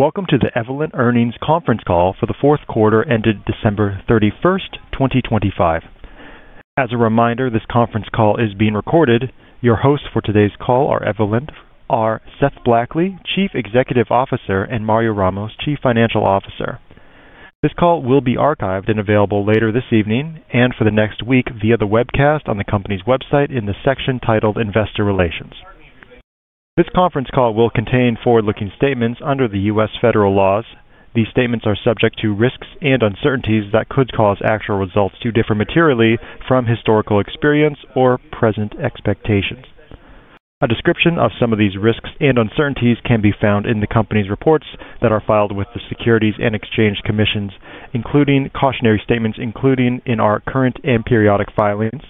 Welcome to the Evolent earnings conference call for the fourth quarter ended December 31st, 2025. As a reminder, this conference call is being recorded. Your hosts for today's call are Seth Blackley, Chief Executive Officer, and John Johnson, Chief Financial Officer. This call will be archived and available later this evening and for the next week via the webcast on the company's website in the section titled Investor Relations. This conference call will contain forward-looking statements under the U.S. federal laws. These statements are subject to risks and uncertainties that could cause actual results to differ materially from historical experience or present expectations. A description of some of these risks and uncertainties can be found in the company's reports that are filed with the Securities and Exchange Commission, including cautionary statements, including in our current and periodic filings.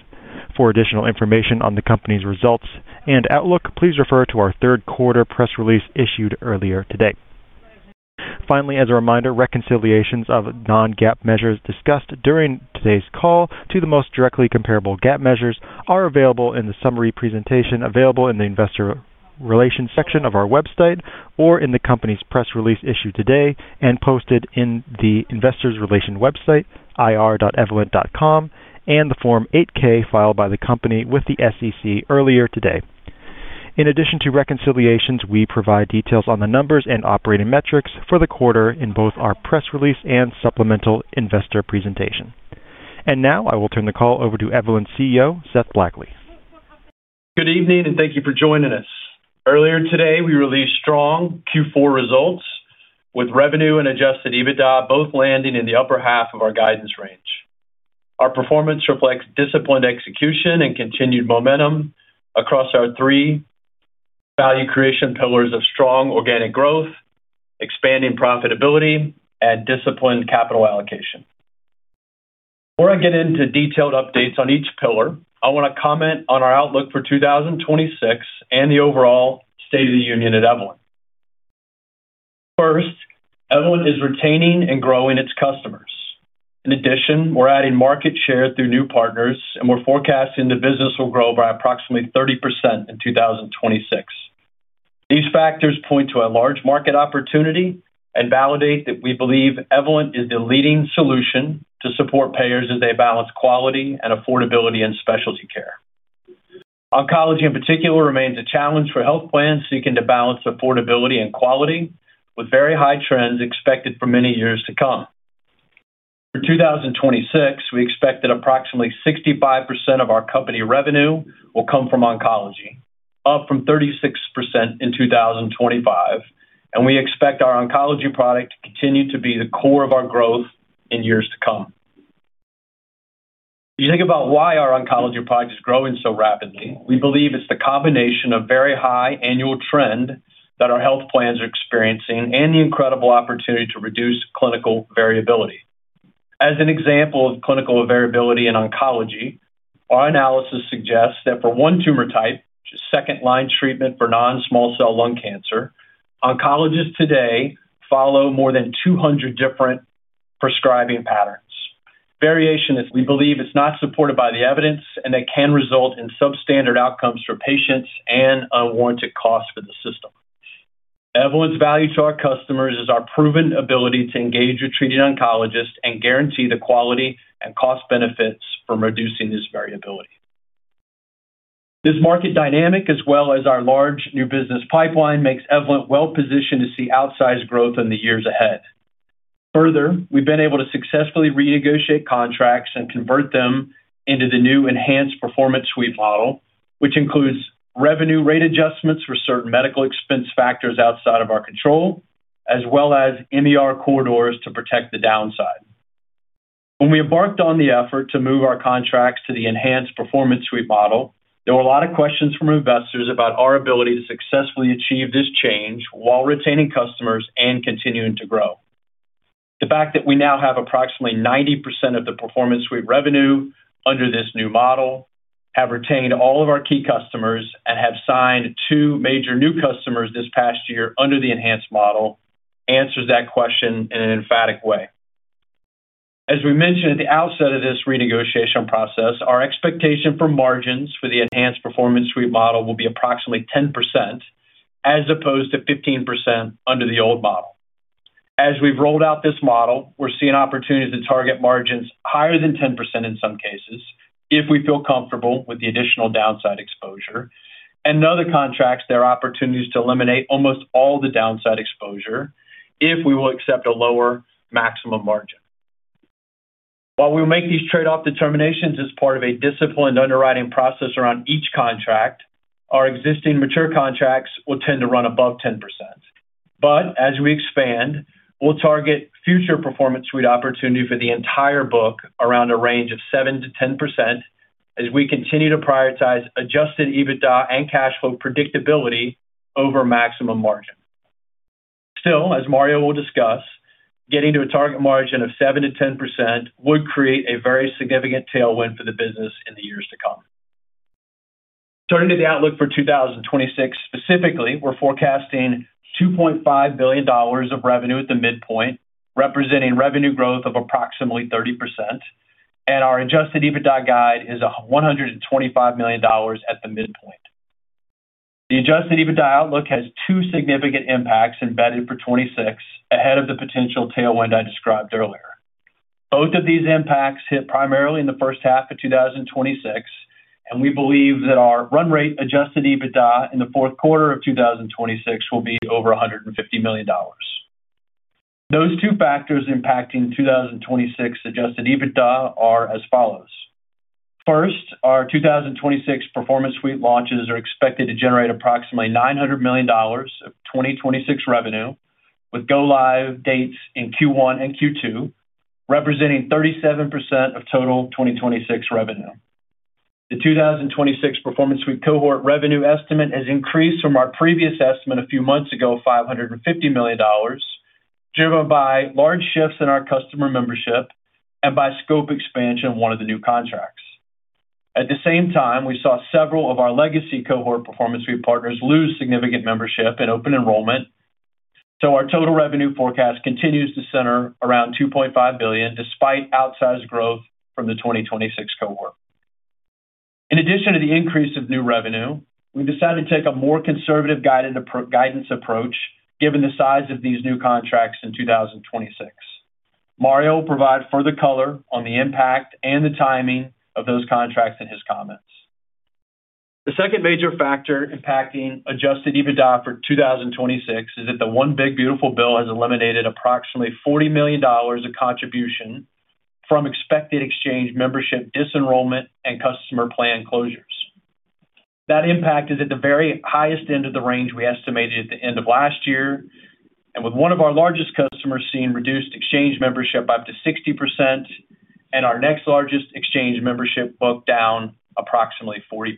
For additional information on the company's results and outlook, please refer to our third quarter press release issued earlier today. As a reminder, reconciliations of Non-GAAP measures discussed during today's call to the most directly comparable GAAP measures are available in the summary presentation available in the Investor Relations section of our website or in the company's press release issued today and posted in the Investor Relations website, ir.evolent.com, and the Form 8-K filed by the company with the SEC earlier today. In addition to reconciliations, we provide details on the numbers and operating metrics for the quarter in both our press release and supplemental investor presentation. I will turn the call over to Evolent CEO, Seth Blackley. Good evening. Thank you for joining us. Earlier today, we released strong Q4 results with revenue and Adjusted EBITDA, both landing in the upper half of our guidance range. Our performance reflects disciplined execution and continued momentum across our three value creation pillars of strong organic growth, expanding profitability, and disciplined capital allocation. Before I get into detailed updates on each pillar, I want to comment on our outlook for 2026 and the overall state of the union at Evolent. First, Evolent is retaining and growing its customers. In addition, we're adding market share through new partners, and we're forecasting the business will grow by approximately 30% in 2026. These factors point to a large market opportunity and validate that we believe Evolent is the leading solution to support payers as they balance quality and affordability in specialty care. Oncology, in particular, remains a challenge for health plans seeking to balance affordability and quality, with very high trends expected for many years to come. For 2026, we expect that approximately 65% of our company revenue will come from oncology, up from 36% in 2025. We expect our oncology product to continue to be the core of our growth in years to come. You think about why our oncology product is growing so rapidly. We believe it's the combination of very high annual trend that our health plans are experiencing and the incredible opportunity to reduce clinical variability. As an example of clinical variability in oncology, our analysis suggests that for one tumor type, which is second-line treatment for non-small cell lung cancer, oncologists today follow more than 200 different prescribing patterns. Variation is, we believe, it's not supported by the evidence. It can result in substandard outcomes for patients and unwarranted costs for the system. Evolent's value to our customers is our proven ability to engage with treating oncologists and guarantee the quality and cost benefits from reducing this variability. This market dynamic, as well as our large new business pipeline, makes Evolent well-positioned to see outsized growth in the years ahead. We've been able to successfully renegotiate contracts and convert them into the new Enhanced Performance Suite model, which includes revenue rate adjustments for certain medical expense factors outside of our control, as well as MER corridors to protect the downside. When we embarked on the effort to move our contracts to the Enhanced Performance Suite model, there were a lot of questions from investors about our ability to successfully achieve this change while retaining customers and continuing to grow. The fact that we now have approximately 90% of the Performance Suite revenue under this new model, have retained all of our key customers, and have signed two major new customers this past year under the enhanced model, answers that question in an emphatic way. As we mentioned at the outset of this renegotiation process, our expectation for margins for the Enhanced Performance Suite model will be approximately 10%, as opposed to 15% under the old model. As we've rolled out this model, we're seeing opportunities to target margins higher than 10% in some cases, if we feel comfortable with the additional downside exposure. In other contracts, there are opportunities to eliminate almost all the downside exposure if we will accept a lower maximum margin. While we make these trade-off determinations as part of a disciplined underwriting process around each contract, our existing mature contracts will tend to run above 10%. As we expand, we'll target future Performance Suite opportunity for the entire book around a range of 7%-10%, as we continue to prioritize Adjusted EBITDA and cash flow predictability over maximum margin. As Mario will discuss, getting to a target margin of 7%-10% would create a very significant tailwind for the business in the years to come. Turning to the outlook for 2026, specifically, we're forecasting $2.5 billion of revenue at the midpoint, representing revenue growth of approximately 30%. Our Adjusted EBITDA guide is $125 million at the midpoint. The Adjusted EBITDA outlook has two significant impacts embedded for 2026 ahead of the potential tailwind I described earlier. Both of these impacts hit primarily in the first half of 2026. We believe that our run rate Adjusted EBITDA in the fourth quarter of 2026 will be over $150 million. Those two factors impacting 2026 Adjusted EBITDA are as follows: First, our 2026 Performance Suite launches are expected to generate approximately $900 million of 2026 revenue, with go-live dates in Q1 and Q2, representing 37% of total 2026 revenue. The 2026 Performance Suite cohort revenue estimate has increased from our previous estimate a few months ago of $550 million, driven by large shifts in our customer membership and by scope expansion of one of the new contracts. At the same time, we saw several of our legacy cohort Performance Suite partners lose significant membership in open enrollment, so our total revenue forecast continues to center around $2.5 billion, despite outsized growth from the 2026 cohort. In addition to the increase of new revenue, we decided to take a more conservative guidance approach, given the size of these new contracts in 2026. Mario will provide further color on the impact and the timing of those contracts in his comments. The second major factor impacting Adjusted EBITDA for 2026 is that the One Big Beautiful Bill has eliminated approximately $40 million of contribution from expected exchange membership disenrollment and customer plan closures. That impact is at the very highest end of the range we estimated at the end of last year, with one of our largest customers seeing reduced exchange membership up to 60% and our next largest exchange membership booked down approximately 40%.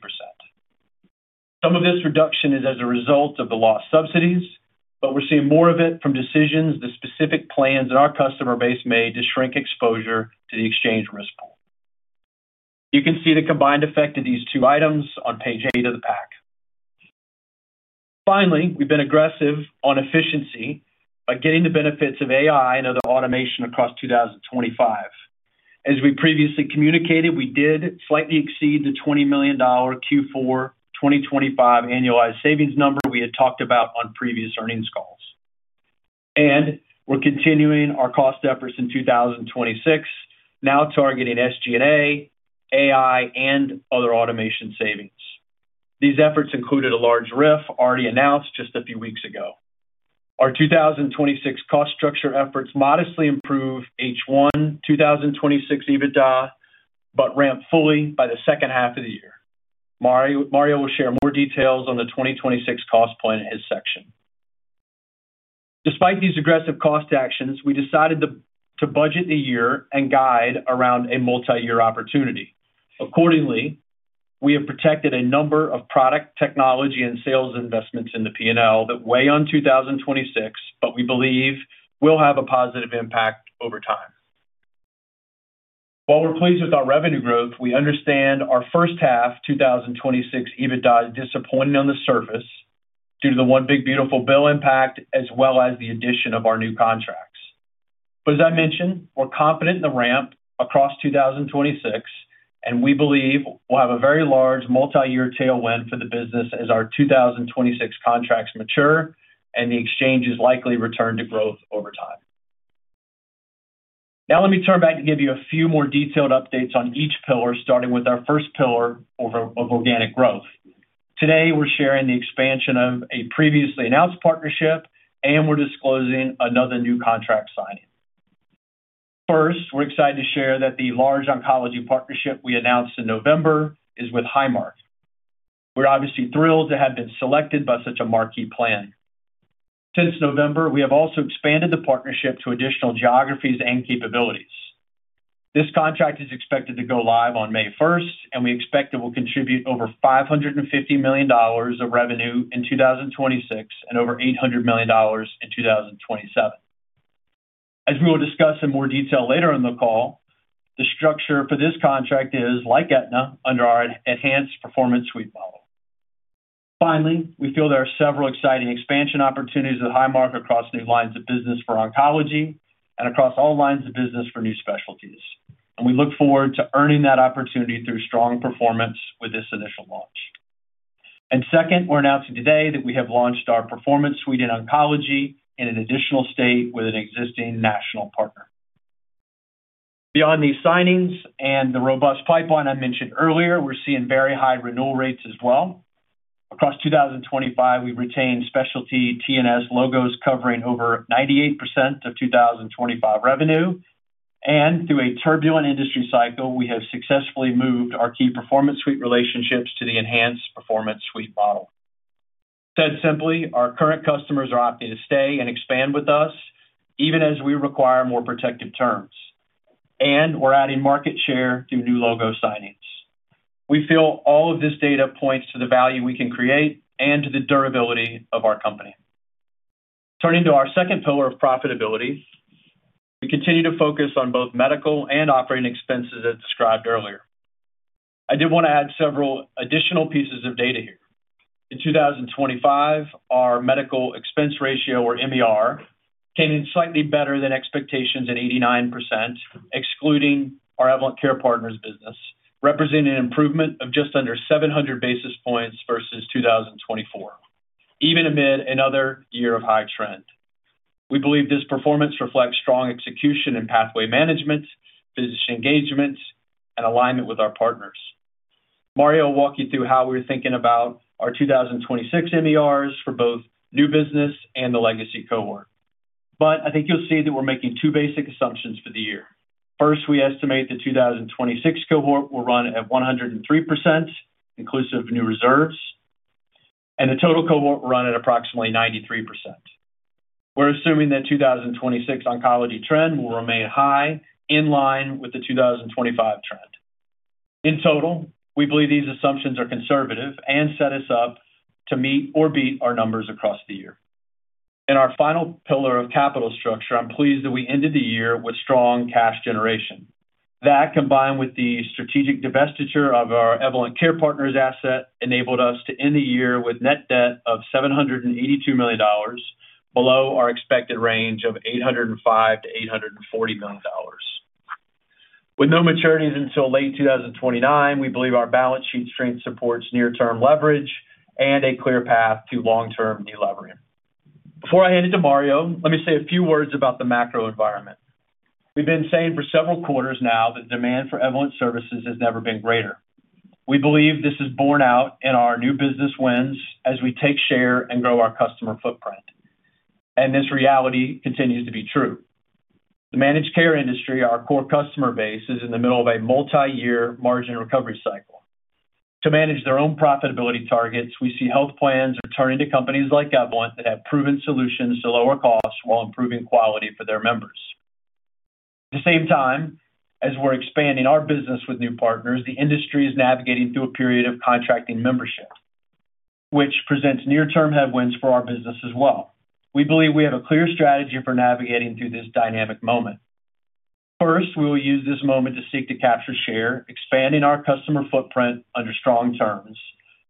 Some of this reduction is as a result of the lost subsidies, but we're seeing more of it from decisions the specific plans that our customer base made to shrink exposure to the exchange risk pool. You can see the combined effect of these two items on page 8 of the pack. Finally, we've been aggressive on efficiency by getting the benefits of AI and other automation across 2025. As we previously communicated, we did slightly exceed the $20 million Q4 2025 annualized savings number we had talked about on previous earnings calls. We're continuing our cost efforts in 2026, now targeting SG&A, AI, and other automation savings. These efforts included a large RIF already announced just a few weeks ago. Our 2026 cost structure efforts modestly improve first half 2026 EBITDA, but ramp fully by the second half of the year. Mario will share more details on the 2026 cost plan in his section. Despite these aggressive cost actions, we decided to budget the year and guide around a multi-year opportunity. Accordingly, we have protected a number of product, technology, and sales investments in the P&L that weigh on 2026, but we believe will have a positive impact over time. While we're pleased with our revenue growth, we understand our first half 2026 EBITDA is disappointing on the surface due to the One Big Beautiful Bill impact, as well as the addition of our new contracts. As I mentioned, we're confident in the ramp across 2026, and we believe we'll have a very large multi-year tailwind for the business as our 2026 contracts mature and the exchanges likely return to growth over time. Let me turn back to give you a few more detailed updates on each pillar, starting with our first pillar of organic growth. Today, we're sharing the expansion of a previously announced partnership, and we're disclosing another new contract signing. First, we're excited to share that the large oncology partnership we announced in November is with Highmark. We're obviously thrilled to have been selected by such a marquee plan. Since November, we have also expanded the partnership to additional geographies and capabilities. This contract is expected to go live on May 1st, and we expect it will contribute over $550 million of revenue in 2026 and over $800 million in 2027. As we will discuss in more detail later in the call, the structure for this contract is, like Aetna, under our Enhanced Performance Suite model. Finally, we feel there are several exciting expansion opportunities with Highmark across new lines of business for oncology and across all lines of business for new specialties, and we look forward to earning that opportunity through strong performance with this initial launch. Second, we're announcing today that we have launched our Performance Suite in oncology in an additional state with an existing national partner. Beyond these signings and the robust pipeline I mentioned earlier, we're seeing very high renewal rates as well. Across 2025, we've retained specialty TNS logos covering over 98% of 2025 revenue. Through a turbulent industry cycle, we have successfully moved our key Performance Suite relationships to the Enhanced Performance Suite model. Said simply, our current customers are opting to stay and expand with us, even as we require more protective terms. We're adding market share through new logo signings. We feel all of this data points to the value we can create and to the durability of our company. Turning to our second pillar of profitability, we continue to focus on both medical and operating expenses as described earlier. I did want to add several additional pieces of data here. In 2025, our Medical Expense Ratio, or MER... came in slightly better than expectations at 89%, excluding our Evolent Care Partners business, representing an improvement of just under 700 basis points versus 2024, even amid another year of high trend. We believe this performance reflects strong execution in pathway management, physician engagement, and alignment with our partners. Mario will walk you through how we're thinking about our 2026 MERs for both new business and the legacy cohort. I think you'll see that we're making two basic assumptions for the year. First, we estimate the 2026 cohort will run at 103%, inclusive of new reserves, and the total cohort will run at approximately 93%. We're assuming that 2026 oncology trend will remain high, in line with the 2025 trend. In total, we believe these assumptions are conservative and set us up to meet or beat our numbers across the year. In our final pillar of capital structure, I'm pleased that we ended the year with strong cash generation. That, combined with the strategic divestiture of our Evolent Care Partners asset, enabled us to end the year with net debt of $782 million, below our expected range of $805 million-$840 million. With no maturities until late 2029, we believe our balance sheet strength supports near-term leverage and a clear path to long-term de-levering. Before I hand it to Mario, let me say a few words about the macro environment. We've been saying for several quarters now that demand for Evolent services has never been greater. We believe this is borne out in our new business wins as we take share and grow our customer footprint, and this reality continues to be true. The managed care industry, our core customer base, is in the middle of a multi-year margin recovery cycle. To manage their own profitability targets, we see health plans are turning to companies like Evolent that have proven solutions to lower costs while improving quality for their members. At the same time, as we're expanding our business with new partners, the industry is navigating through a period of contracting membership, which presents near-term headwinds for our business as well. We believe we have a clear strategy for navigating through this dynamic moment. First, we will use this moment to seek to capture share, expanding our customer footprint under strong terms.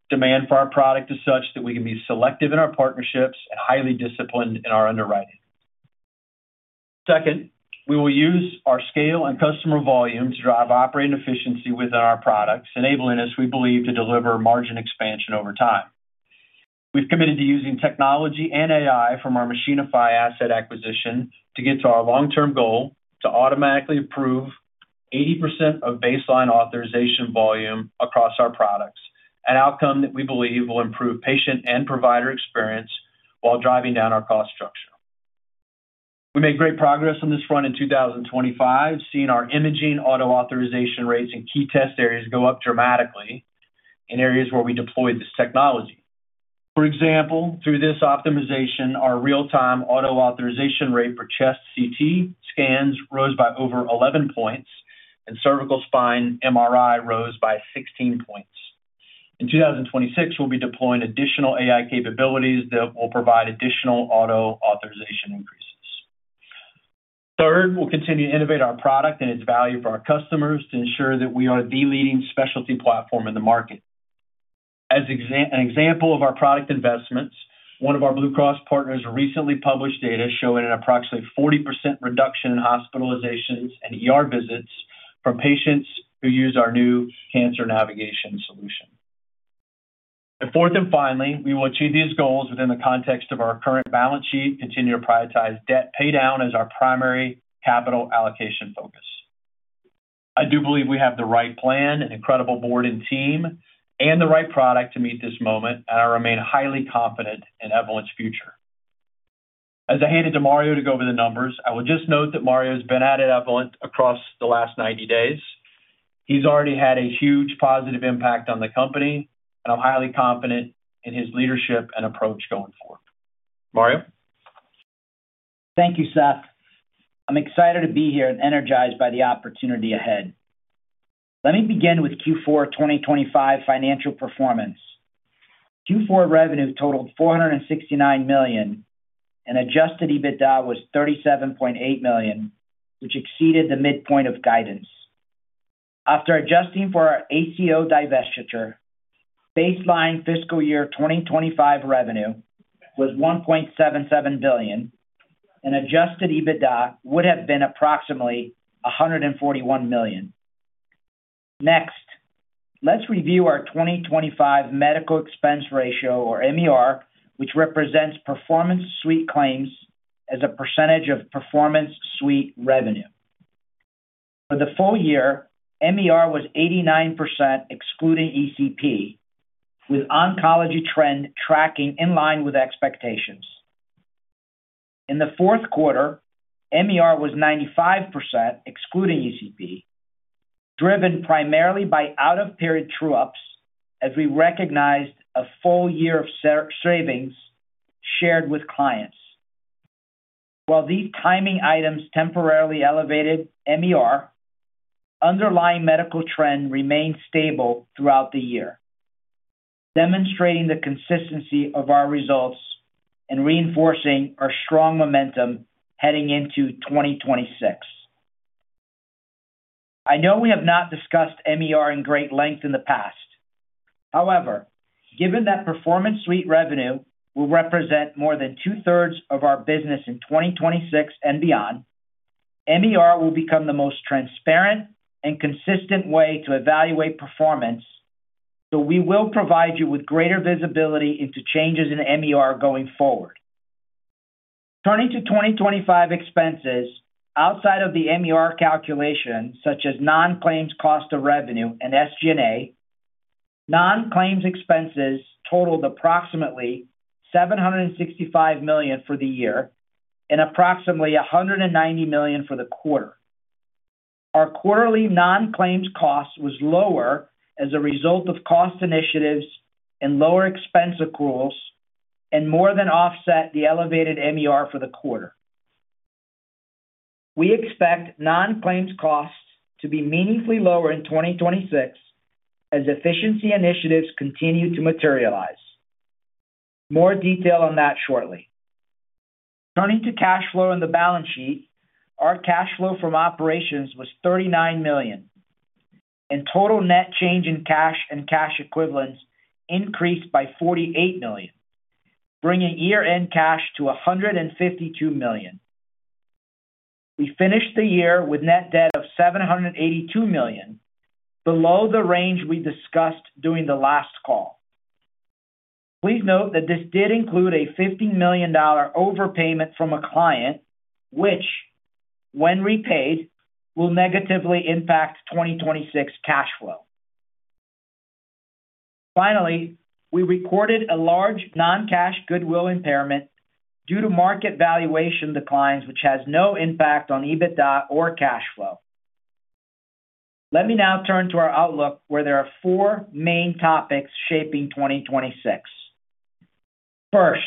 Demand for our product is such that we can be selective in our partnerships and highly disciplined in our underwriting. Second, we will use our scale and customer volume to drive operating efficiency within our products, enabling us, we believe, to deliver margin expansion over time. We've committed to using technology and AI from our Machinify asset acquisition to get to our long-term goal to automatically approve 80% of baseline authorization volume across our products, an outcome that we believe will improve patient and provider experience while driving down our cost structure. We made great progress on this front in 2025, seeing our imaging auto authorization rates in key test areas go up dramatically in areas where we deployed this technology. For example, through this optimization, our real-time auto authorization rate for chest CT scans rose by over 11 points, and cervical spine MRI rose by 16 points. In 2026, we'll be deploying additional AI capabilities that will provide additional auto authorization increases. Third, we'll continue to innovate our product and its value for our customers to ensure that we are the leading specialty platform in the market. As an example of our product investments, one of our Blue Cross partners recently published data showing an approximately 40% reduction in hospitalizations and ER visits for patients who use our new cancer navigation solution. Fourth, and finally, we will achieve these goals within the context of our current balance sheet, continue to prioritize debt paydown as our primary capital allocation focus. I do believe we have the right plan, an incredible board and team, and the right product to meet this moment, and I remain highly confident in Evolent's future. As I hand it to Mario to go over the numbers, I will just note that Mario's been at Evolent across the last 90 days. He's already had a huge positive impact on the company, and I'm highly confident in his leadership and approach going forward. Mario? Thank you, Seth. I'm excited to be here and energized by the opportunity ahead. Let me begin with Q4 2025 financial performance. Q4 revenue totaled $469 million, and Adjusted EBITDA was $37.8 million, which exceeded the midpoint of guidance. After adjusting for our ACO divestiture, baseline fiscal year 2025 revenue was $1.7 billion, and Adjusted EBITDA would have been approximately $141 million. Next, let's review our 2025 medical expense ratio, or MER, which represents Performance Suite claims as a percentage of Performance Suite revenue. For the full year, MER was 89%, excluding ECP, with oncology trend tracking in line with expectations. In the fourth quarter, MER was 95%, excluding ECP, driven primarily by out-of-period true-ups as we recognized a full year of savings shared with clients. While these timing items temporarily elevated MER, underlying medical trend remained stable throughout the year, demonstrating the consistency of our results and reinforcing our strong momentum heading into 2026. I know we have not discussed MER in great length in the past. However, given that Performance Suite revenue will represent more than 2/3 of our business in 2026 and beyond, MER will become the most transparent and consistent way to evaluate performance, so we will provide you with greater visibility into changes in MER going forward. Turning to 2025 expenses, outside of the MER calculation, such as non-claims cost of revenue and SG&A, non-claims expenses totaled approximately $765 million for the year and approximately $190 million for the quarter. Our quarterly non-claims cost was lower as a result of cost initiatives and lower expense accruals, more than offset the elevated MER for the quarter. We expect non-claims costs to be meaningfully lower in 2026 as efficiency initiatives continue to materialize. More detail on that shortly. Turning to cash flow and the balance sheet, our cash flow from operations was $39 million, total net change in cash and cash equivalents increased by $48 million, bringing year-end cash to $152 million. We finished the year with net debt of $782 million, below the range we discussed during the last call. Please note that this did include a $15 million overpayment from a client, which, when repaid, will negatively impact 2026 cash flow. Finally, we recorded a large non-cash goodwill impairment due to market valuation declines, which has no impact on EBITDA or cash flow. Let me now turn to our outlook, where there are four main topics shaping 2026. First,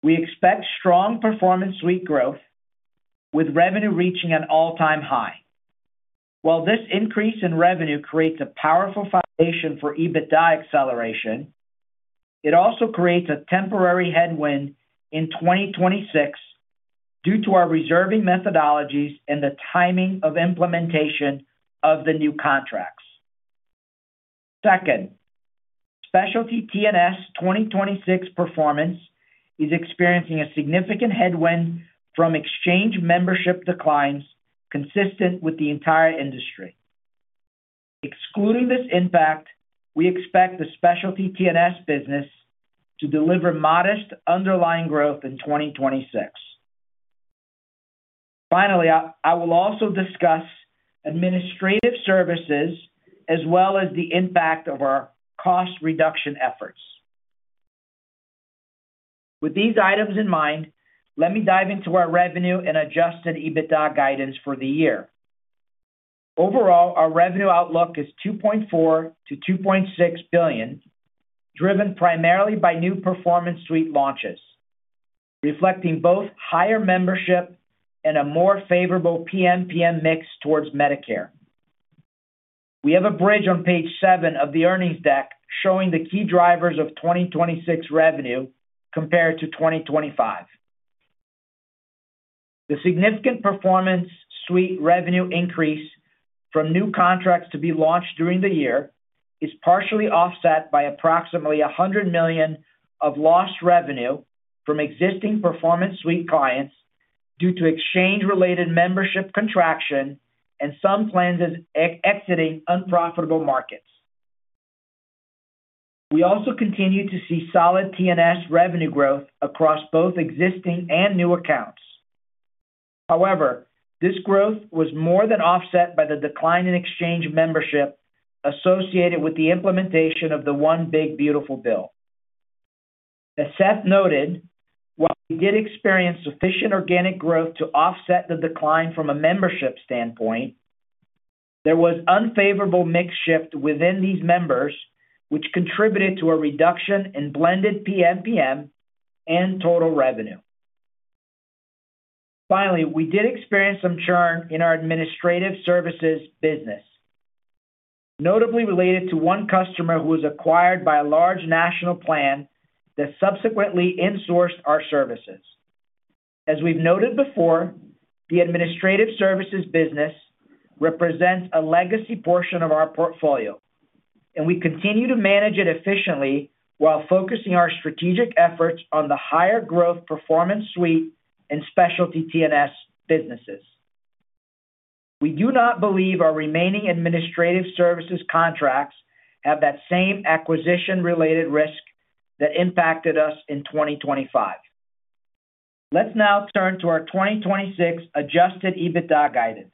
we expect strong Performance Suite growth, with revenue reaching an all-time high. While this increase in revenue creates a powerful foundation for EBITDA acceleration, it also creates a temporary headwind in 2026 due to our reserving methodologies and the timing of implementation of the new contracts. Second, Specialty TNS 2026 performance is experiencing a significant headwind from exchange membership declines consistent with the entire industry. Excluding this impact, we expect the Specialty TNS business to deliver modest underlying growth in 2026. Finally, I will also discuss Administrative Services as well as the impact of our cost reduction efforts. With these items in mind, let me dive into our revenue and Adjusted EBITDA guidance for the year. Overall, our revenue outlook is $2.4 billion-$2.6 billion, driven primarily by new Performance Suite launches, reflecting both higher membership and a more favorable PMPM mix towards Medicare. We have a bridge on page seven of the earnings deck showing the key drivers of 2026 revenue compared to 2025. The significant Performance Suite revenue increase from new contracts to be launched during the year is partially offset by approximately $100 million of lost revenue from existing Performance Suite clients due to exchange-related membership contraction and some plans exiting unprofitable markets. We also continue to see solid TNS revenue growth across both existing and new accounts. However, this growth was more than offset by the decline in exchange membership associated with the implementation of the One Big Beautiful Bill. As Seth noted, while we did experience sufficient organic growth to offset the decline from a membership standpoint, there was unfavorable mix shift within these members, which contributed to a reduction in blended PMPM and total revenue. Finally, we did experience some churn in our Administrative Services business, notably related to one customer who was acquired by a large national plan that subsequently insourced our services. As we've noted before, the Administrative Services business represents a legacy portion of our portfolio, and we continue to manage it efficiently while focusing our strategic efforts on the higher-growth Performance Suite and Specialty TNS businesses. We do not believe our remaining Administrative Services contracts have that same acquisition-related risk that impacted us in 2025. Let's now turn to our 2026 Adjusted EBITDA guidance.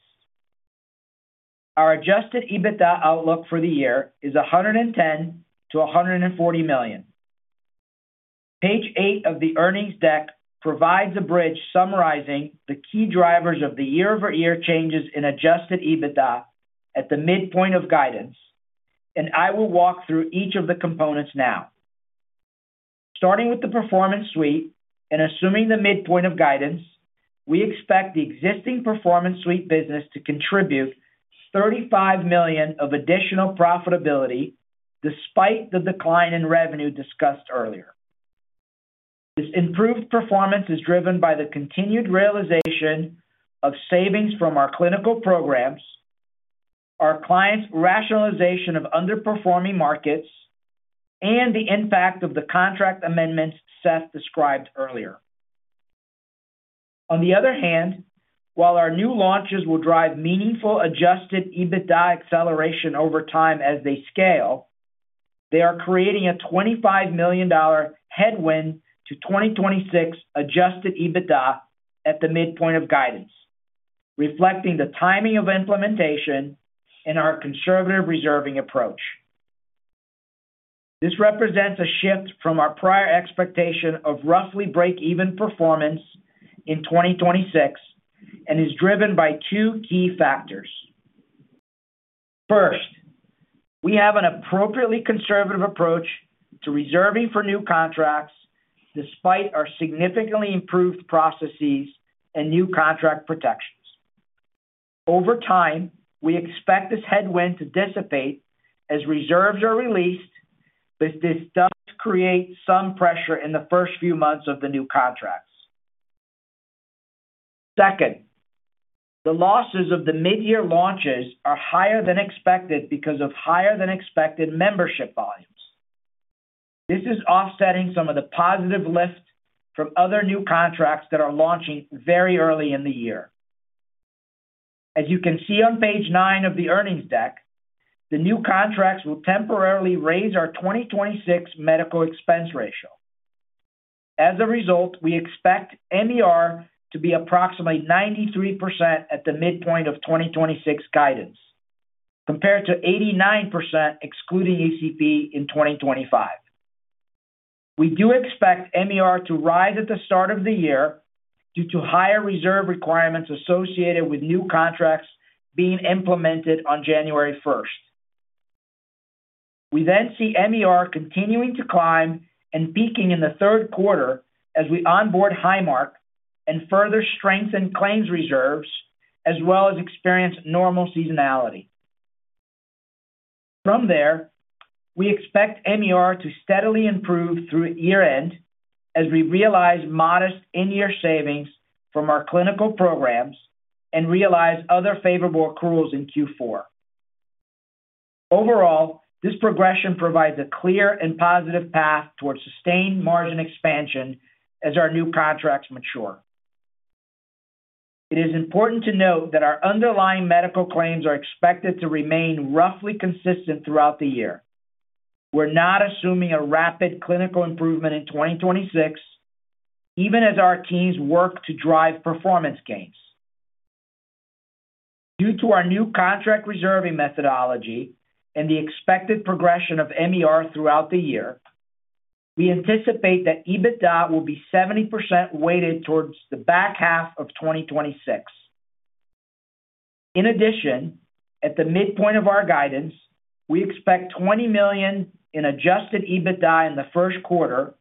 Our Adjusted EBITDA outlook for the year is $110 million-$140 million. Page eight of the earnings deck provides a bridge summarizing the key drivers of the year-over-year changes in Adjusted EBITDA at the midpoint of guidance, and I will walk through each of the components now. Starting with the Performance Suite and assuming the midpoint of guidance, we expect the existing Performance Suite business to contribute $35 million of additional profitability despite the decline in revenue discussed earlier. This improved performance is driven by the continued realization of savings from our clinical programs, our clients' rationalization of underperforming markets, and the impact of the contract amendments Seth described earlier. On the other hand, while our new launches will drive meaningful Adjusted EBITDA acceleration over time as they scale, they are creating a $25 million headwind to 2026 Adjusted EBITDA at the midpoint of guidance, reflecting the timing of implementation and our conservative reserving approach. This represents a shift from our prior expectation of roughly break-even performance in 2026 and is driven by two key factors. First, we have an appropriately conservative approach to reserving for new contracts, despite our significantly improved processes and new contract protections. Over time, we expect this headwind to dissipate as reserves are released, but this does create some pressure in the first few months of the new contracts. Second, the losses of the midyear launches are higher than expected because of higher-than-expected membership volumes. This is offsetting some of the positive lifts from other new contracts that are launching very early in the year. As you can see on page nine of the earnings deck, the new contracts will temporarily raise our 2026 medical expense ratio. As a result, we expect MER to be approximately 93% at the midpoint of 2026 guidance, compared to 89%, excluding ACP, in 2025. We do expect MER to rise at the start of the year due to higher reserve requirements associated with new contracts being implemented on January first. We see MER continuing to climb and peaking in the third quarter as we onboard Highmark and further strengthen claims reserves, as well as experience normal seasonality. From there, we expect MER to steadily improve through year-end as we realize modest in-year savings from our clinical programs and realize other favorable accruals in Q4. This progression provides a clear and positive path towards sustained margin expansion as our new contracts mature. It is important to note that our underlying medical claims are expected to remain roughly consistent throughout the year. We're not assuming a rapid clinical improvement in 2026, even as our teams work to drive performance gains. Due to our new contract reserving methodology and the expected progression of MER throughout the year, we anticipate that EBITDA will be 70% weighted towards the back half of 2026. At the midpoint of our guidance, we expect $20 million in Adjusted EBITDA in the first quarter,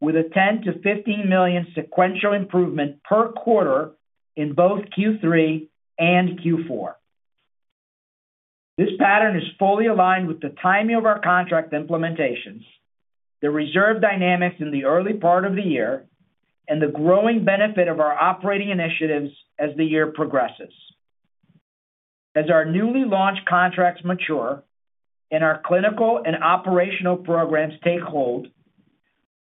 with a $10 million-$15 million sequential improvement per quarter in both Q3 and Q4. This pattern is fully aligned with the timing of our contract implementations, the reserve dynamics in the early part of the year, and the growing benefit of our operating initiatives as the year progresses. As our newly launched contracts mature and our clinical and operational programs take hold,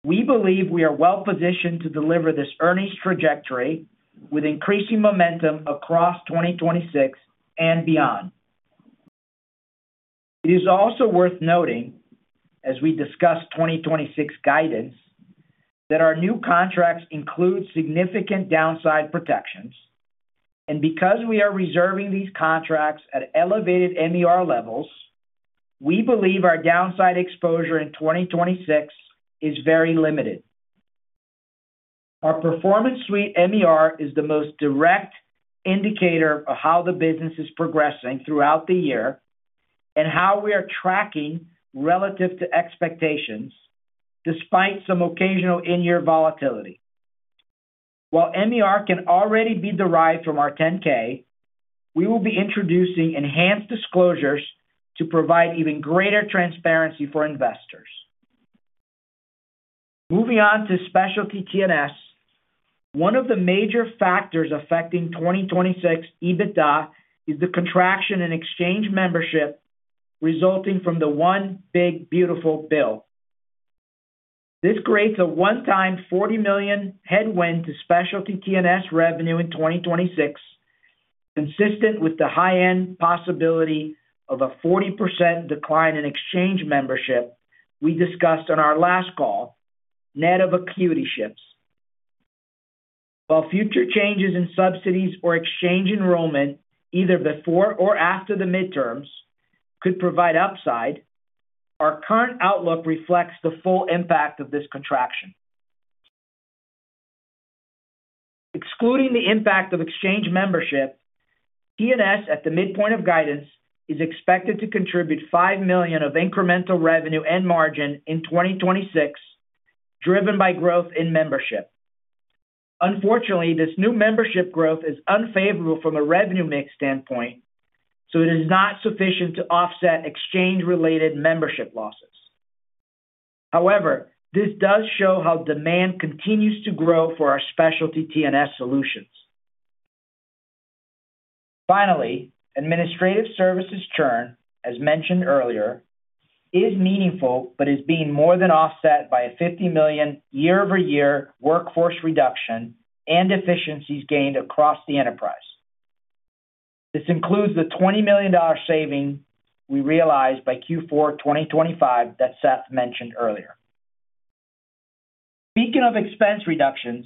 we believe we are well positioned to deliver this earnings trajectory with increasing momentum across 2026 and beyond. It is also worth noting, as we discuss 2026 guidance, that our new contracts include significant downside protections, and because we are reserving these contracts at elevated MER levels, we believe our downside exposure in 2026 is very limited. Our Performance Suite, MER, is the most direct indicator of how the business is progressing throughout the year and how we are tracking relative to expectations, despite some occasional in-year volatility. While MER can already be derived from our 10-K, we will be introducing enhanced disclosures to provide even greater transparency for investors. Moving on to specialty TNS, one of the major factors affecting 2026 EBITDA is the contraction in exchange membership resulting from the one big beautiful bill. This creates a one-time $40 million headwind to specialty TNS revenue in 2026, consistent with the high-end possibility of a 40% decline in exchange membership we discussed on our last call, net of acuity shifts. Future changes in subsidies or exchange enrollment, either before or after the midterms, could provide upside, our current outlook reflects the full impact of this contraction. Excluding the impact of exchange membership, TNS, at the midpoint of guidance, is expected to contribute $5 million of incremental revenue and margin in 2026, driven by growth in membership. Unfortunately, this new membership growth is unfavorable from a revenue mix standpoint, so it is not sufficient to offset exchange-related membership losses. However, this does show how demand continues to grow for our specialty TNS solutions. Finally, Administrative Services churn, as mentioned earlier, is meaningful but is being more than offset by a $50 million year-over-year workforce reduction and efficiencies gained across the enterprise. This includes the $20 million saving we realized by Q4 2025 that Seth mentioned earlier. Speaking of expense reductions,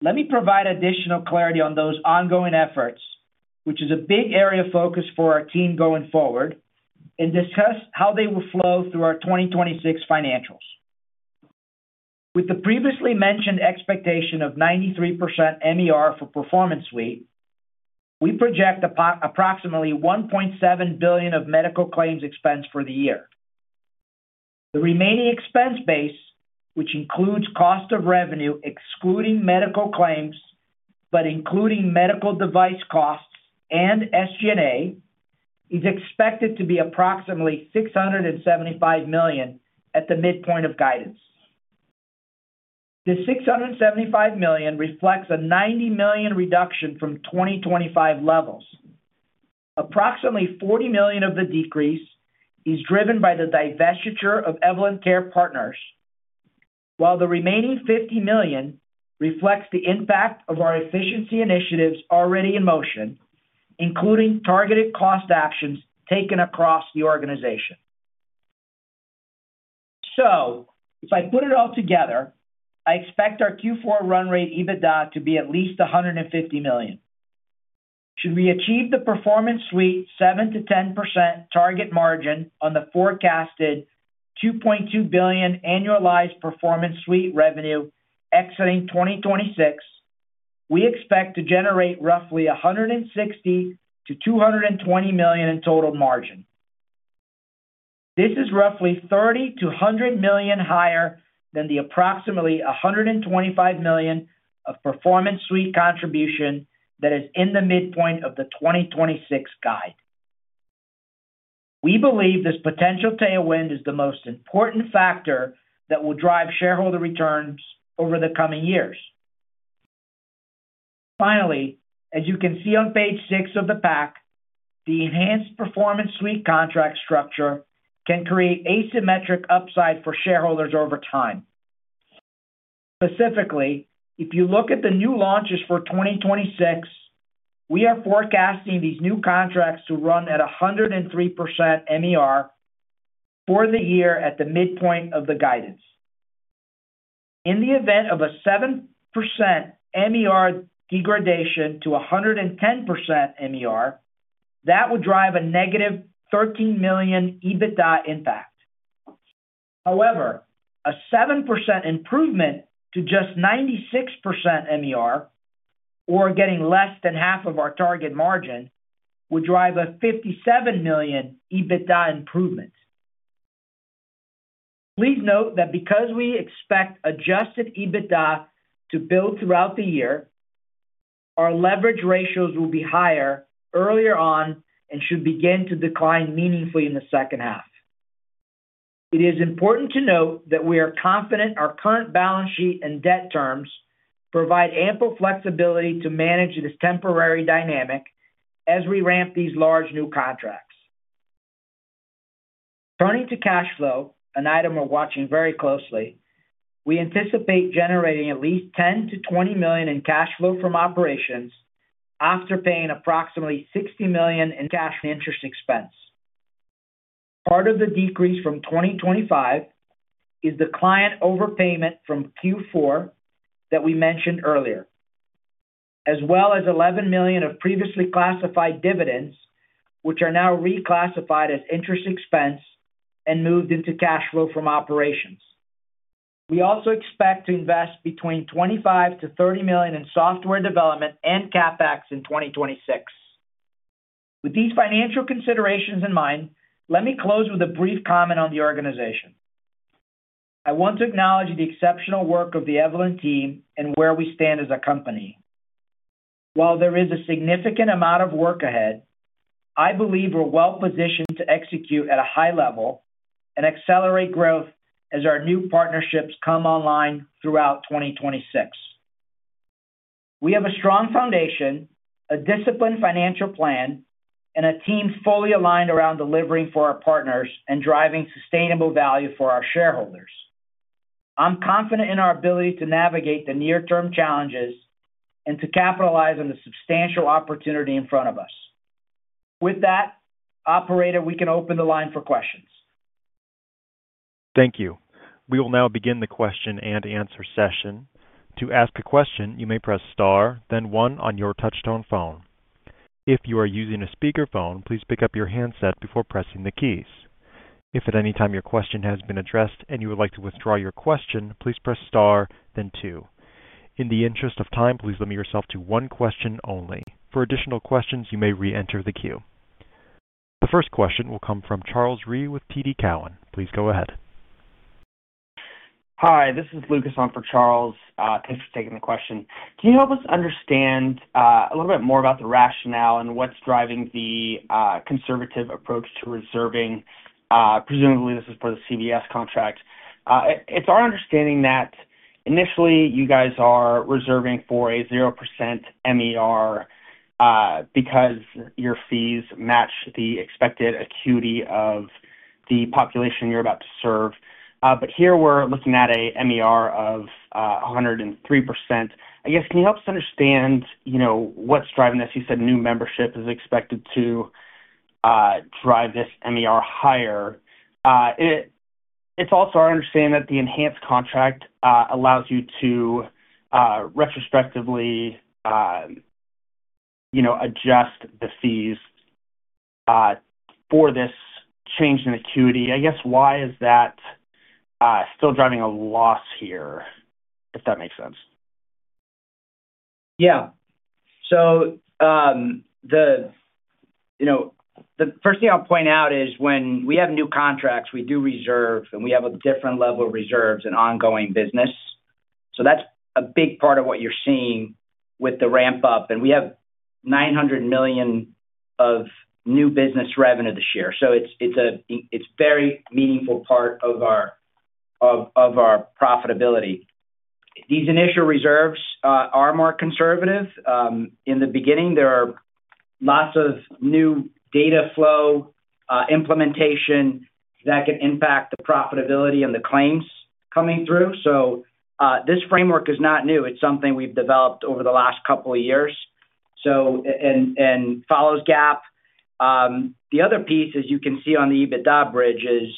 let me provide additional clarity on those ongoing efforts, which is a big area of focus for our team going forward, and discuss how they will flow through our 2026 financials. With the previously mentioned expectation of 93% MER for Performance Suite, we project approximately $1.7 billion of medical claims expense for the year. The remaining expense base, which includes cost of revenue, excluding medical claims, but including medical device costs and SG&A, is expected to be approximately $675 million at the midpoint of guidance. The $675 million reflects a $90 million reduction from 2025 levels. Approximately $40 million of the decrease is driven by the divestiture of Evolent Care Partners, while the remaining $50 million reflects the impact of our efficiency initiatives already in motion, including targeted cost actions taken across the organization. If I put it all together, I expect our Q4 run rate EBITDA to be at least $150 million. Should we achieve the Performance Suite 7%-10% target margin on the forecasted $2.2 billion annualized Performance Suite revenue exiting 2026, we expect to generate roughly $160 million-$220 million in total margin. This is roughly $30 million-$100 million higher than the approximately $125 million of Performance Suite contribution that is in the midpoint of the 2026 guide. We believe this potential tailwind is the most important factor that will drive shareholder returns over the coming years. Finally, as you can see on page 6 of the pack, the Enhanced Performance Suite contract structure can create asymmetric upside for shareholders over time. Specifically, if you look at the new launches for 2026, we are forecasting these new contracts to run at 103% MER for the year at the midpoint of the guidance. In the event of a 7% MER degradation to 110% MER, that would drive a negative $13 million EBITDA impact. A 7% improvement to just 96% MER, or getting less than half of our target margin, would drive a $57 million EBITDA improvement. Please note that because we expect Adjusted EBITDA to build throughout the year, our leverage ratios will be higher earlier on and should begin to decline meaningfully in the second half. It is important to note that we are confident our current balance sheet and debt terms provide ample flexibility to manage this temporary dynamic as we ramp these large new contracts. Turning to cash flow, an item we're watching very closely, we anticipate generating at least $10 million-$20 million in cash flow from operations after paying approximately $60 million in cash interest expense. Part of the decrease from 2025 is the client overpayment from Q4 that we mentioned earlier, as well as $11 million of previously classified dividends, which are now reclassified as interest expense and moved into cash flow from operations. We also expect to invest between $25 million-$30 million in software development and CapEx in 2026. With these financial considerations in mind, let me close with a brief comment on the organization. I want to acknowledge the exceptional work of the Evolent team and where we stand as a company. While there is a significant amount of work ahead, I believe we're well positioned to execute at a high level and accelerate growth as our new partnerships come online throughout 2026. We have a strong foundation, a disciplined financial plan, and a team fully aligned around delivering for our partners and driving sustainable value for our shareholders. I'm confident in our ability to navigate the near-term challenges and to capitalize on the substantial opportunity in front of us. With that, operator, we can open the line for questions. Thank you. We will now begin the question-and-answer session. To ask a question, you may press star, then one on your touchtone phone. If you are using a speakerphone, please pick up your handset before pressing the keys. If at any time your question has been addressed and you would like to withdraw your question, please press star then two. In the interest of time, please limit yourself to one question only. For additional questions, you may reenter the queue. The first question will come from Charles Rhyee with TD Cowen. Please go ahead. Hi, this is Lucas on for Charles. Thanks for taking the question. Can you help us understand a little bit more about the rationale and what's driving the conservative approach to reserving? Presumably, this is for the CVS contract. It's our understanding that initially you guys are reserving for a 0% MER, because your fees match the expected acuity of the population you're about to serve. Here we're looking at a MER of 103%. I guess, can you help us understand, you know, what's driving this? You said new membership is expected to drive this MER higher. It's also our understanding that the enhanced contract allows you to retrospectively, you know, adjust the fees for this change in acuity. I guess, why is that still driving a loss here, if that makes sense? The, you know, the first thing I'll point out is when we have new contracts, we do reserve, and we have a different level of reserves in ongoing business. That's a big part of what you're seeing with the ramp-up. We have $900 million of new business revenue this year, it's a very meaningful part of our profitability. These initial reserves are more conservative. In the beginning, there are lots of new data flow, implementation that can impact the profitability and the claims coming through. This framework is not new. It's something we've developed over the last couple of years, and follows GAAP. The other piece, as you can see on the EBITDA bridge, is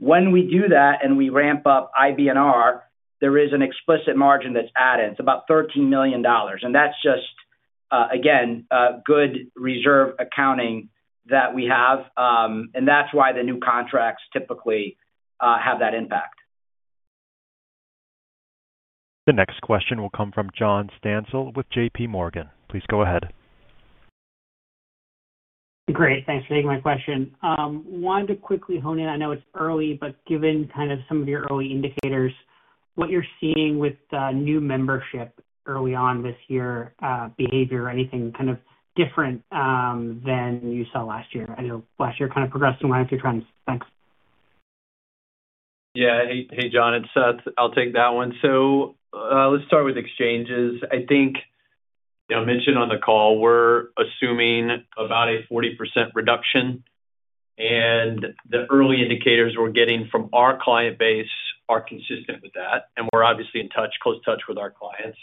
when we do that and we ramp up IBNR, there is an explicit margin that's added. It's about $13 million, and that's just, again, a good reserve accounting that we have. That's why the new contracts typically have that impact. The next question will come from John Stansel with JPMorgan. Please go ahead. Great. Thanks for taking my question. wanted to quickly hone in. I know it's early, but given kind of some of your early indicators, what you're seeing with new membership early on this year, behavior, anything kind of different than you saw last year? I know last year kind of progressed in line with your trends. Thanks. Yeah. Hey, hey, John, it's Seth. I'll take that one. Let's start with exchanges. I think, you know, I mentioned on the call, we're assuming about a 40% reduction, and the early indicators we're getting from our client base are consistent with that, and we're obviously in touch, close touch with our clients.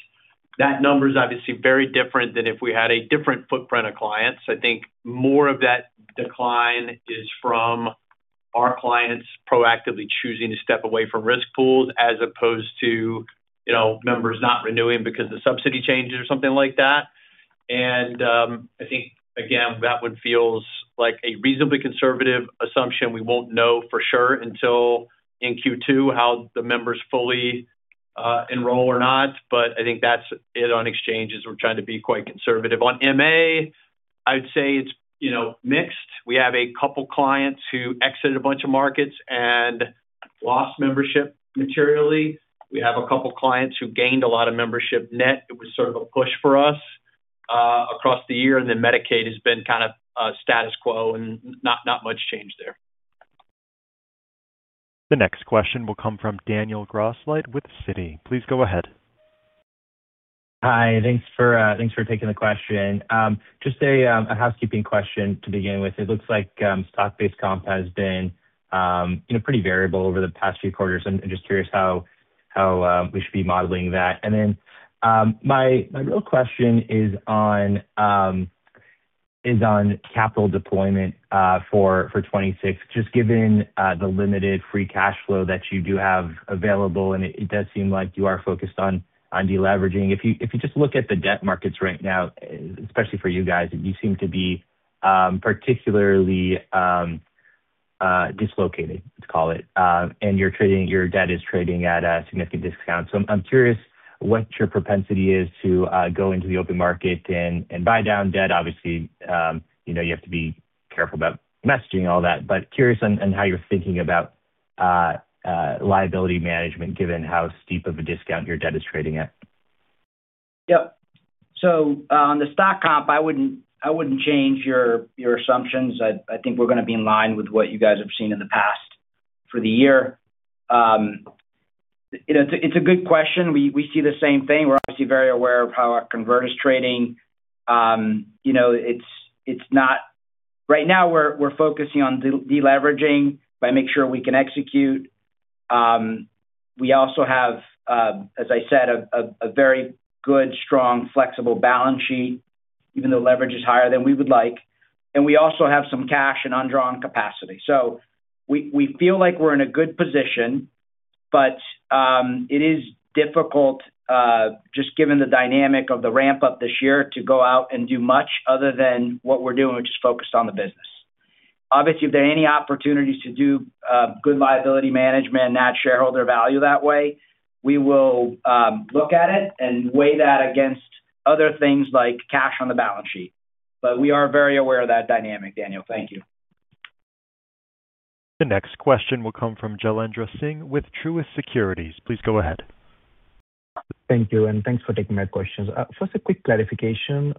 That number is obviously very different than if we had a different footprint of clients. I think more of that decline is from our clients proactively choosing to step away from risk pools as opposed to, you know, members not renewing because the subsidy changes or something like that. I think, again, that one feels like a reasonably conservative assumption. We won't know for sure until in Q2 how the members fully enroll or not, but I think that's it on exchanges. We're trying to be quite conservative. On MA, I'd say it's, you know, mixed. We have a couple clients who exited a bunch of markets and lost membership materially. We have a couple clients who gained a lot of membership net. It was sort of a push for us, across the year. Medicaid has been kind of status quo and not much change there. The next question will come from Daniel Grosslight with Citi. Please go ahead. Hi, thanks for taking the question. Just a housekeeping question to begin with. It looks like stock-based comp has been, you know, pretty variable over the past few quarters, and I'm just curious how we should be modeling that. My real question is on capital deployment for 2026, just given the limited free cash flow that you do have available, and it does seem like you are focused on deleveraging. If you just look at the debt markets right now, especially for you guys, you seem to be particularly dislocated, let's call it. Your debt is trading at a significant discount. I'm curious what your propensity is to go into the open market and buy down debt. Obviously, you know, you have to be careful about messaging, all that, but curious on how you're thinking about liability management, given how steep of a discount your debt is trading at. Yep. So, on the stock comp, I wouldn't change your assumptions. I think we're going to be in line with what you guys have seen in the past for the year. You know, it's a good question. We see the same thing. We're obviously very aware of how our convertible is trading. You know, it's not. Right now, we're focusing on deleveraging by making sure we can execute. We also have, as I said, a very good, strong, flexible balance sheet, even though leverage is higher than we would like. We also have some cash and undrawn capacity. We feel like we're in a good position, but it is difficult, just given the dynamic of the ramp-up this year, to go out and do much other than what we're doing, which is focused on the business. Obviously, if there are any opportunities to do good liability management and add shareholder value that way, we will look at it and weigh that against other things like cash on the balance sheet. We are very aware of that dynamic, Daniel. Thank you. The next question will come from Jailendra Singh with Truist Securities. Please go ahead. Thank you. Thanks for taking my questions. First, a quick clarification.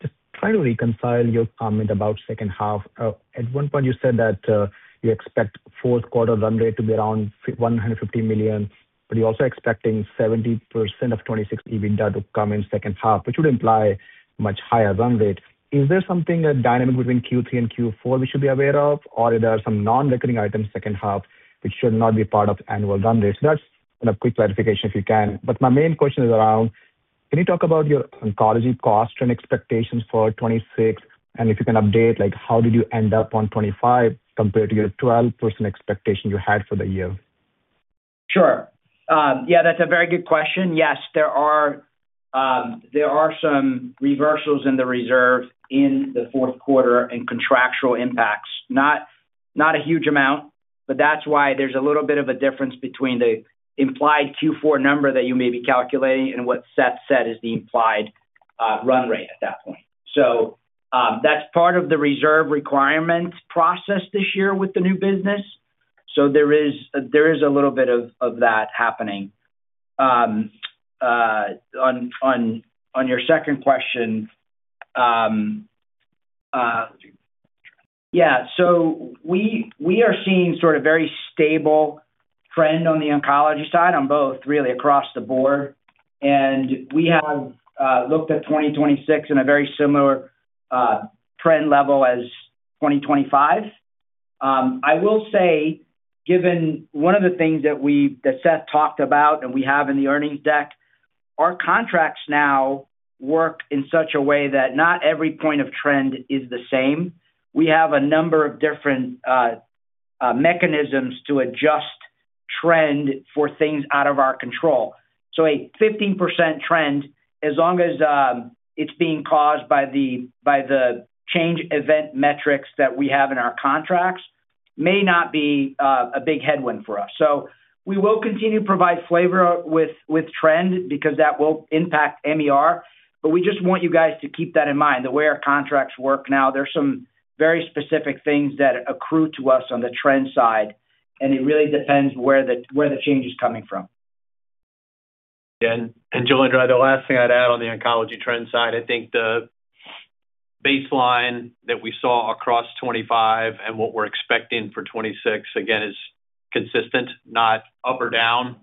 Just trying to reconcile your comment about second half. At one point, you said that you expect fourth quarter run rate to be around $150 million, but you're also expecting 70% of 2026 EBITDA to come in second half, which would imply much higher run rate. Is there something, a dynamic between Q3 and Q4 we should be aware of, or are there some non-recurring items second half, which should not be part of annual run rate? That's a quick clarification, if you can. My main question is around, can you talk about your oncology cost trend expectations for 2026? If you can update, like, how did you end up on 2025 compared to your 12% expectation you had for the year? Sure. Yeah, that's a very good question. Yes, there are some reversals in the reserve in the fourth quarter and contractual impacts. Not a huge amount, but that's why there's a little bit of a difference between the implied Q4 number that you may be calculating and what Seth said is the implied run rate at that point. That's part of the reserve requirement process this year with the new business. There is a little bit of that happening. On your second question, yeah, we are seeing sort of very stable trend on the oncology side, on both, really across the board. We have looked at 2026 in a very similar trend level as 2025. I will say, given one of the things that Seth talked about and we have in the earnings deck, our contracts now work in such a way that not every point of trend is the same. We have a number of different mechanisms to adjust trend for things out of our control. A 15% trend, as long as it's being caused by the change event metrics that we have in our contracts, may not be a big headwind for us. We will continue to provide flavor with trend because that will impact MER, but we just want you guys to keep that in mind, the way our contracts work now, there's some very specific things that accrue to us on the trend side, and it really depends where the, where the change is coming from. Jailendra, the last thing I'd add on the oncology trend side, I think the baseline that we saw across 25 and what we're expecting for 26, again, is consistent, not up or down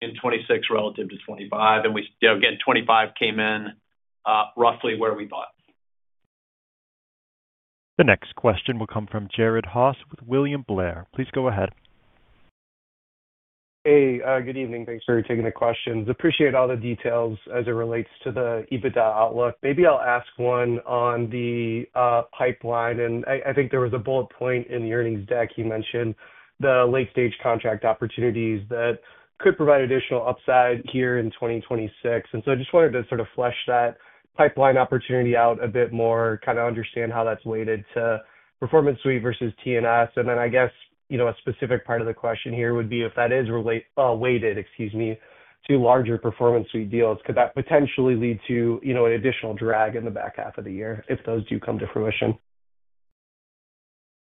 in 26 relative to 25. We, again, 25 came in roughly where we thought. The next question will come from Jared Haase with William Blair. Please go ahead. Hey, good evening. Thanks for taking the questions. Appreciate all the details as it relates to the EBITDA outlook. Maybe I'll ask one on the pipeline, I think there was a bullet point in the earnings deck. You mentioned the late-stage contract opportunities that could provide additional upside here in 2026. I just wanted to sort of flesh that pipeline opportunity out a bit more, kind of understand how that's weighted to Performance Suite versus TNS. I guess, you know, a specific part of the question here would be if that is weighted, excuse me, to larger Performance Suite deals, could that potentially lead to, you know, an additional drag in the back half of the year if those do come to fruition?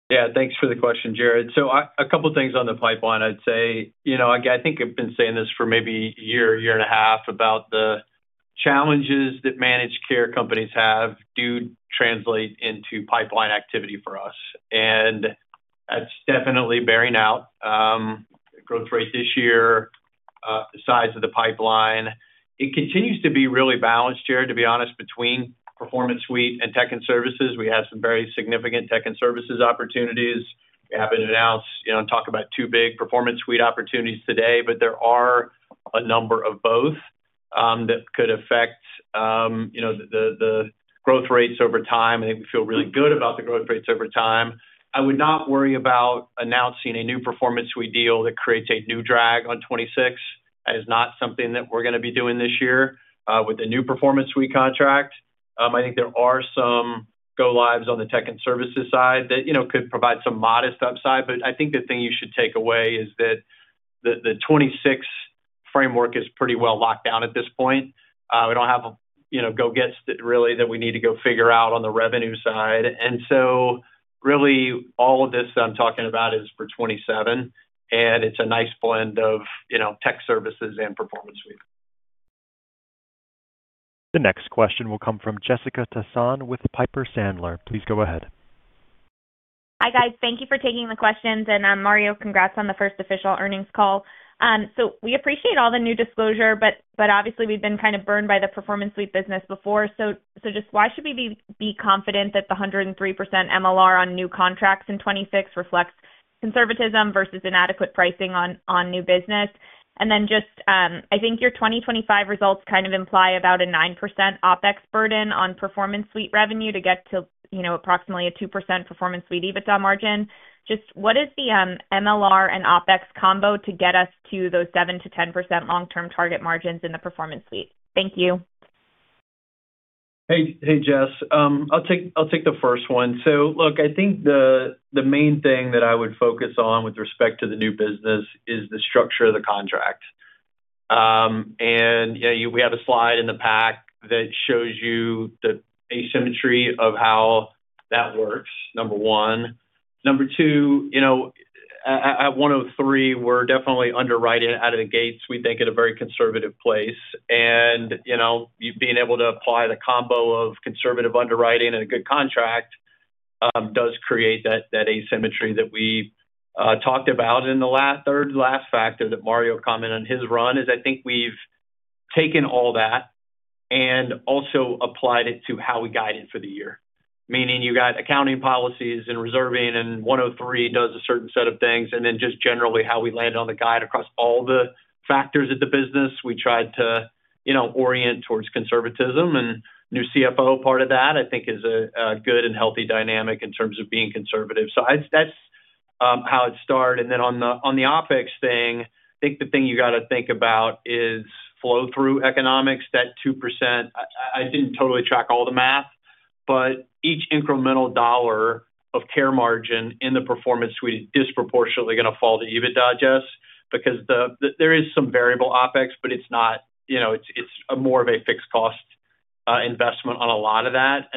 Yeah, thanks for the question, Jared. A couple things on the pipeline. I'd say, you know, I think I've been saying this for maybe a year and a half, about the challenges that managed care companies have do translate into pipeline activity for us, that's definitely bearing out growth rate this year, the size of the pipeline. It continues to be really balanced, Jared, to be honest, between Performance Suite and Tech and Services. We have some very significant Tech and Services opportunities. We happen to announce, you know, talk about 2 big Performance Suite opportunities today, there are a number of both that could affect, you know, the growth rates over time, I think we feel really good about the growth rates over time. I would not worry about announcing a new Performance Suite deal that creates a new drag on 2026. That is not something that we're going to be doing this year, with the new Performance Suite contract. I think there are some go lives on the Tech and Services side that, you know, could provide some modest upside. I think the thing you should take away is that the 2026 framework is pretty well locked down at this point. We don't have a, you know, go gets that we need to go figure out on the revenue side. Really all of this I'm talking about is for 2027, and it's a nice blend of, you know, Tech Services and Performance Suite. The next question will come from Jessica Tassan with Piper Sandler. Please go ahead. Hi, guys. Thank you for taking the questions. Mario, congrats on the first official earnings call. We appreciate all the new disclosure, but obviously we've been kind of burned by the Performance Suite business before. Just why should we be confident that the 103% MLR on new contracts in 2026 reflects conservatism versus inadequate pricing on new business? Just, I think your 2025 results kind of imply about a 9% OpEx burden on Performance Suite revenue to get to, you know, approximately a 2% Performance Suite EBITDA margin. Just what is the MLR and OpEx combo to get us to those 7%-10% long-term target margins in the Performance Suite? Thank you. Hey, hey, Jess. I'll take the first one. Look, I think the main thing that I would focus on with respect to the new business is the structure of the contract. You know, we have a slide in the pack that shows you the asymmetry of how that works, number one. Number two, you know, at 103, we're definitely underwriting out of the gates, we think, at a very conservative place. You know, you've been able to apply the combo of conservative underwriting and a good contract does create that asymmetry that we talked about. In the last, third to last factor that Mario commented on his run, is I think we've taken all that and also applied it to how we guide it for the year. Meaning you got accounting policies and reserving, and 103 does a certain set of things, and then just generally how we land on the guide across all the factors of the business. We tried to, you know, orient towards conservatism and new CFO part of that, I think is a good and healthy dynamic in terms of being conservative. That's how it started. On the OpEx thing, I think the thing you got to think about is flow-through economics. That 2%, I didn't totally track all the math, but each incremental $1 of care margin in the Performance Suite is disproportionately going to fall to EBITDA, Jess, because there is some variable OpEx, but it's not, you know, it's a more of a fixed cost investment on a lot of that.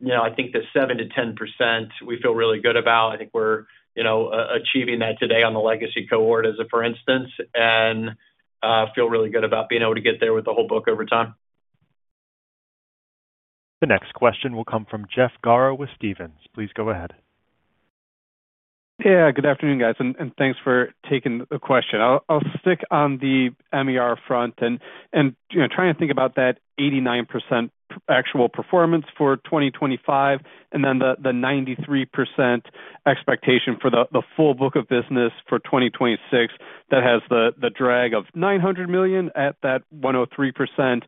You know, I think the 7%-10%, we feel really good about. I think we're, you know, achieving that today on the legacy cohort as a for instance, and, feel really good about being able to get there with the whole book over time. The next question will come from Jeff Garro with Stephens. Please go ahead. Yeah, good afternoon, guys, and thanks for taking the question. I'll stick on the MER front and, you know, trying to think about that 89% actual performance for 2025, and then the 93% expectation for the full book of business for 2026, that has the drag of $900 million at that 103%.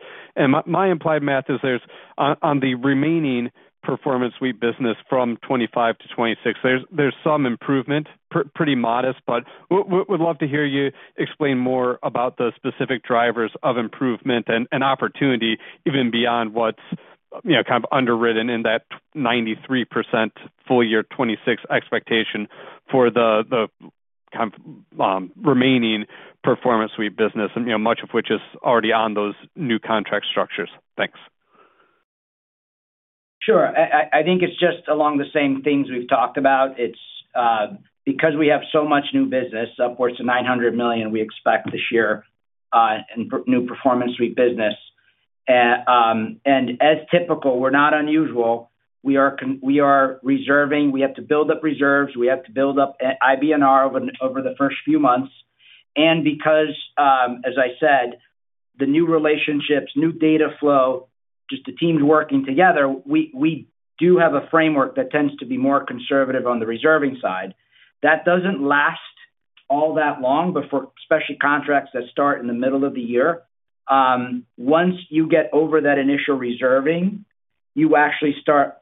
My implied math is there's on the remaining Performance Suite business from 2025-2026, there's some improvement, pretty modest, but we'd love to hear you explain more about the specific drivers of improvement and opportunity, even beyond what's, you know, kind of underwritten in that 93% full year 2026 expectation for the kind of remaining Performance Suite business, and, you know, much of which is already on those new contract structures. Thanks. Sure. I think it's just along the same things we've talked about. It's because we have so much new business, upwards of $900 million, we expect this year in new Performance Suite business. As typical, we're not unusual. We are reserving. We have to build up reserves. We have to build up IBNR over the first few months. Because, as I said, the new relationships, new data flow, just the teams working together, we do have a framework that tends to be more conservative on the reserving side. That doesn't last all that long, but for, especially contracts that start in the middle of the year, once you get over that initial reserving, you actually start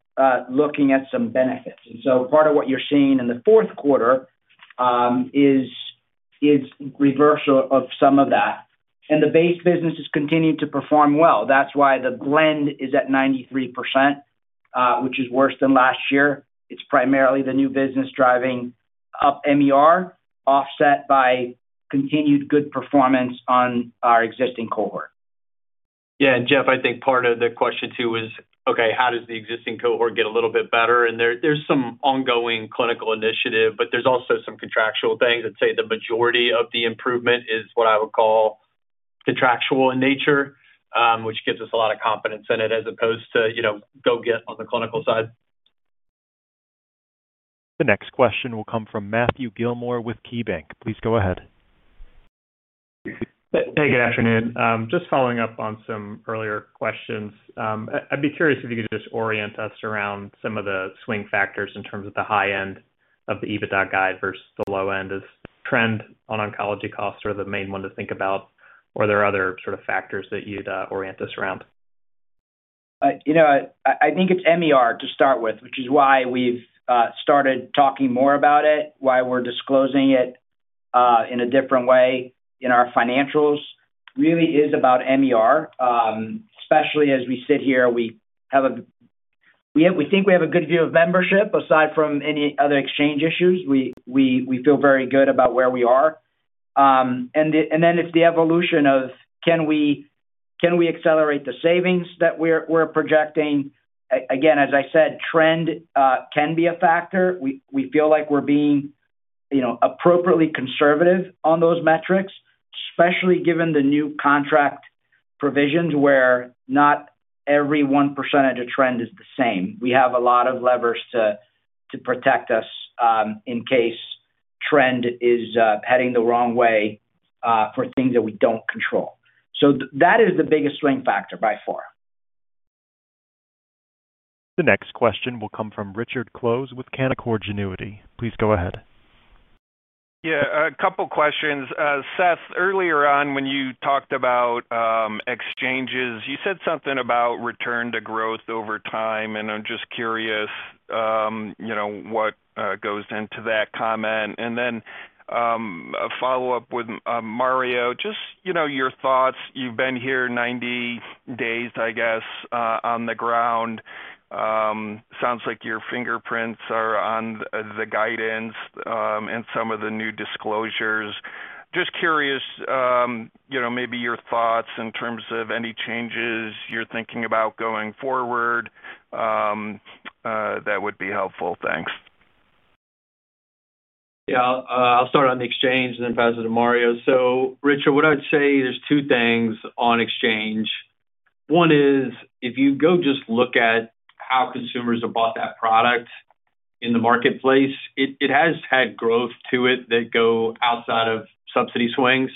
looking at some benefits. Part of what you're seeing in the fourth quarter is reversal of some of that. The base business has continued to perform well. That's why the blend is at 93%, which is worse than last year. It's primarily the new business driving up MER, offset by continued good performance on our existing cohort. Yeah, Jeff, I think part of the question, too, is: Okay, how does the existing cohort get a little bit better? There's some ongoing clinical initiative, but there's also some contractual things. I'd say the majority of the improvement is what I would call contractual in nature, which gives us a lot of confidence in it, as opposed to, you know, go get on the clinical side. The next question will come from Matthew Gilmore with KeyBank. Please go ahead. Hey, good afternoon. Just following up on some earlier questions, I'd be curious if you could just orient us around some of the swing factors in terms of the high end of the EBITDA guide versus the low end. Is trend on oncology costs are the main one to think about, or are there other sort of factors that you'd orient us around? You know, I think it's MER to start with, which is why we've started talking more about it, why we're disclosing it in a different way in our financials. Really is about MER, especially as we sit here, we think we have a good view of membership. Aside from any other exchange issues, we feel very good about where we are. Then it's the evolution of can we accelerate the savings that we're projecting? Again, as I said, trend can be a factor. We feel like we're being, you know, appropriately conservative on those metrics, especially given the new contract provisions, where not every 1 percentage of trend is the same. We have a lot of levers to protect us in case trend is heading the wrong way for things that we don't control. That is the biggest swing factor by far. The next question will come from Richard Close with Canaccord Genuity. Please go ahead.... Yeah, a couple questions. Seth, earlier on, when you talked about exchanges, you said something about return to growth over time, and I'm just curious, you know, what goes into that comment? A follow-up with Mario, just, you know, your thoughts. You've been here 90 days, I guess, on the ground. Sounds like your fingerprints are on the guidance, and some of the new disclosures. Just curious, you know, maybe your thoughts in terms of any changes you're thinking about going forward, that would be helpful. Thanks. Yeah, I'll start on the exchange and then pass it to Mario. Richard, what I'd say is two things on exchange. One is, if you go just look at how consumers have bought that product in the marketplace, it has had growth to it that go outside of subsidy swings,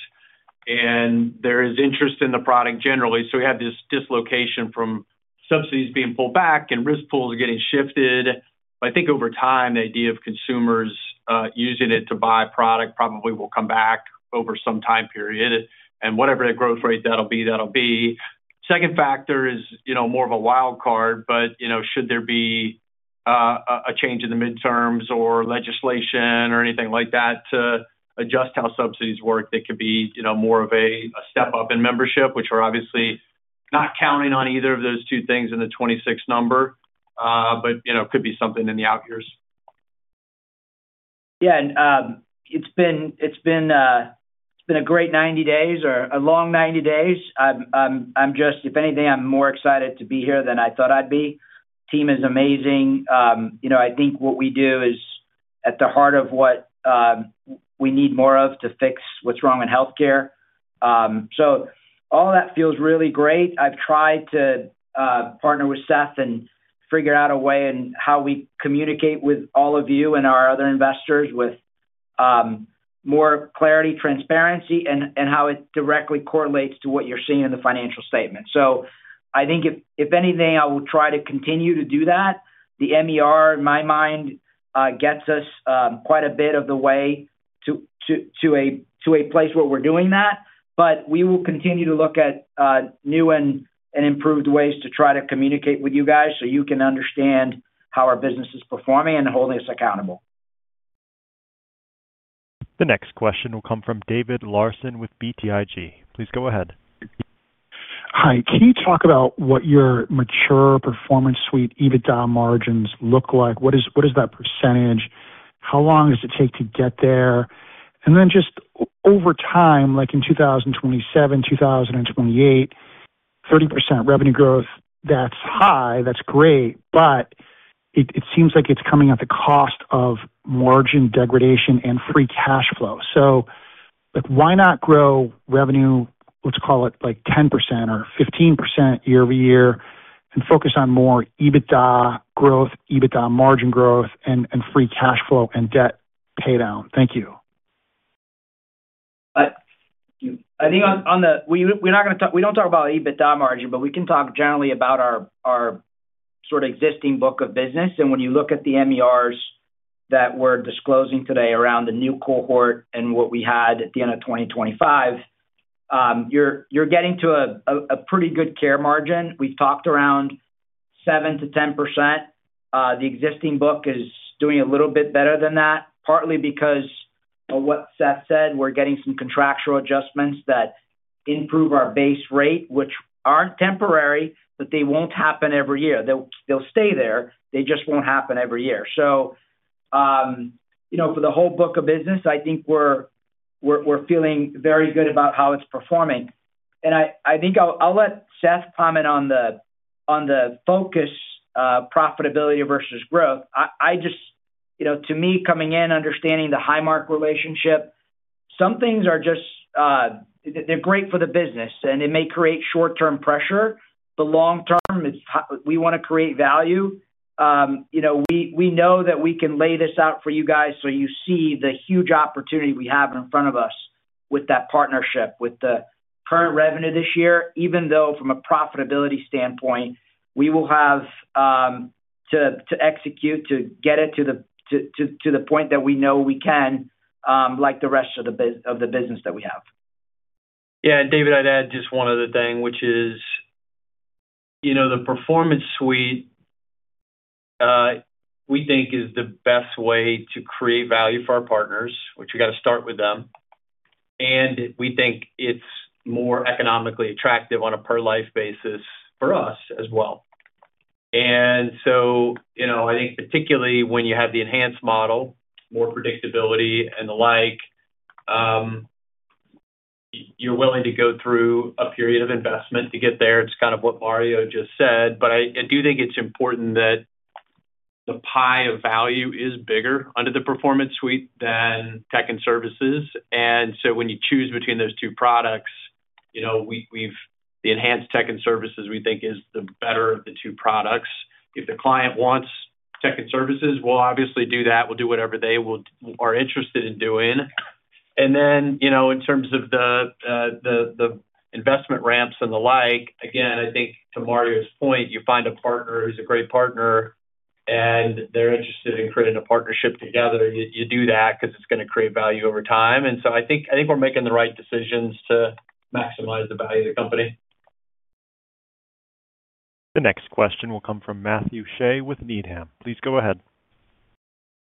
and there is interest in the product generally. We have this dislocation from subsidies being pulled back and risk pools are getting shifted. I think over time, the idea of consumers using it to buy product probably will come back over some time period, and whatever the growth rate that'll be, that'll be. Second factor is, you know, more of a wild card, but, you know, should there be a change in the midterms or legislation or anything like that to adjust how subsidies work, that could be, you know, more of a step up in membership, which we're obviously not counting on either of those two things in the 26 number. You know, could be something in the out years. It's been a great 90 days or a long 90 days. If anything, I'm more excited to be here than I thought I'd be. Team is amazing. You know, I think what we do is at the heart of what we need more of to fix what's wrong in healthcare. All that feels really great. I've tried to partner with Seth and figure out a way in how we communicate with all of you and our other investors with more clarity, transparency, and how it directly correlates to what you're seeing in the financial statement. I think if anything, I will try to continue to do that. The MER, in my mind, gets us quite a bit of the way to a place where we're doing that. We will continue to look at new and improved ways to try to communicate with you guys so you can understand how our business is performing and holding us accountable. The next question will come from David Larsen with BTIG. Please go ahead. Hi, can you talk about what your mature Performance Suite, EBITDA margins look like? What is that percentage? How long does it take to get there? Then just over time, like in 2027, 2028, 30% revenue growth, that's high, that's great, but it seems like it's coming at the cost of margin degradation and free cash flow. Like, why not grow revenue, let's call it, like, 10% or 15% year-over-year, and focus on more EBITDA growth, EBITDA margin growth, and free cash flow and debt paydown? Thank you. I think we're not gonna talk, we don't talk about EBITDA margin, but we can talk generally about our sort of existing book of business. When you look at the MERs that we're disclosing today around the new cohort and what we had at the end of 2025, you're getting to a pretty good care margin. We talked around 7%-10%. The existing book is doing a little bit better than that, partly because of what Seth said, we're getting some contractual adjustments that improve our base rate, which aren't temporary, but they won't happen every year. They'll stay there, they just won't happen every year. You know, for the whole book of business, I think we're feeling very good about how it's performing. I think I'll let Seth comment on the focus, profitability versus growth. I just, you know, to me, coming in, understanding the Highmark relationship, some things are just, they're great for the business, and it may create short-term pressure. The long term is, we wanna create value. You know, we know that we can lay this out for you guys, so you see the huge opportunity we have in front of us with that partnership, with the current revenue this year, even though from a profitability standpoint, we will have to execute to get it to the point that we know we can, like the rest of the business that we have. Yeah, David, I'd add just one other thing, which is, you know, the Performance Suite, we think is the best way to create value for our partners, which we got to start with them, and we think it's more economically attractive on a per-life basis for us as well. You know, I think particularly when you have the enhanced model, more predictability and the like, you're willing to go through a period of investment to get there. It's kind of what Mario just said, but I do think it's important that the pie of value is bigger under the Performance Suite than Tech and Services. When you choose between those two products, you know, we, the enhanced Tech and Services we think is the better of the two products. If the client wants Tech and Services, we'll obviously do that. We'll do whatever they are interested in doing. You know, in terms of the investment ramps and the like, again, I think to Mario's point, you find a partner who's a great partner, and they're interested in creating a partnership together. You do that because it's going to create value over time. I think we're making the right decisions to maximize the value of the company. The next question will come from Matthew Shea with Needham. Please go ahead.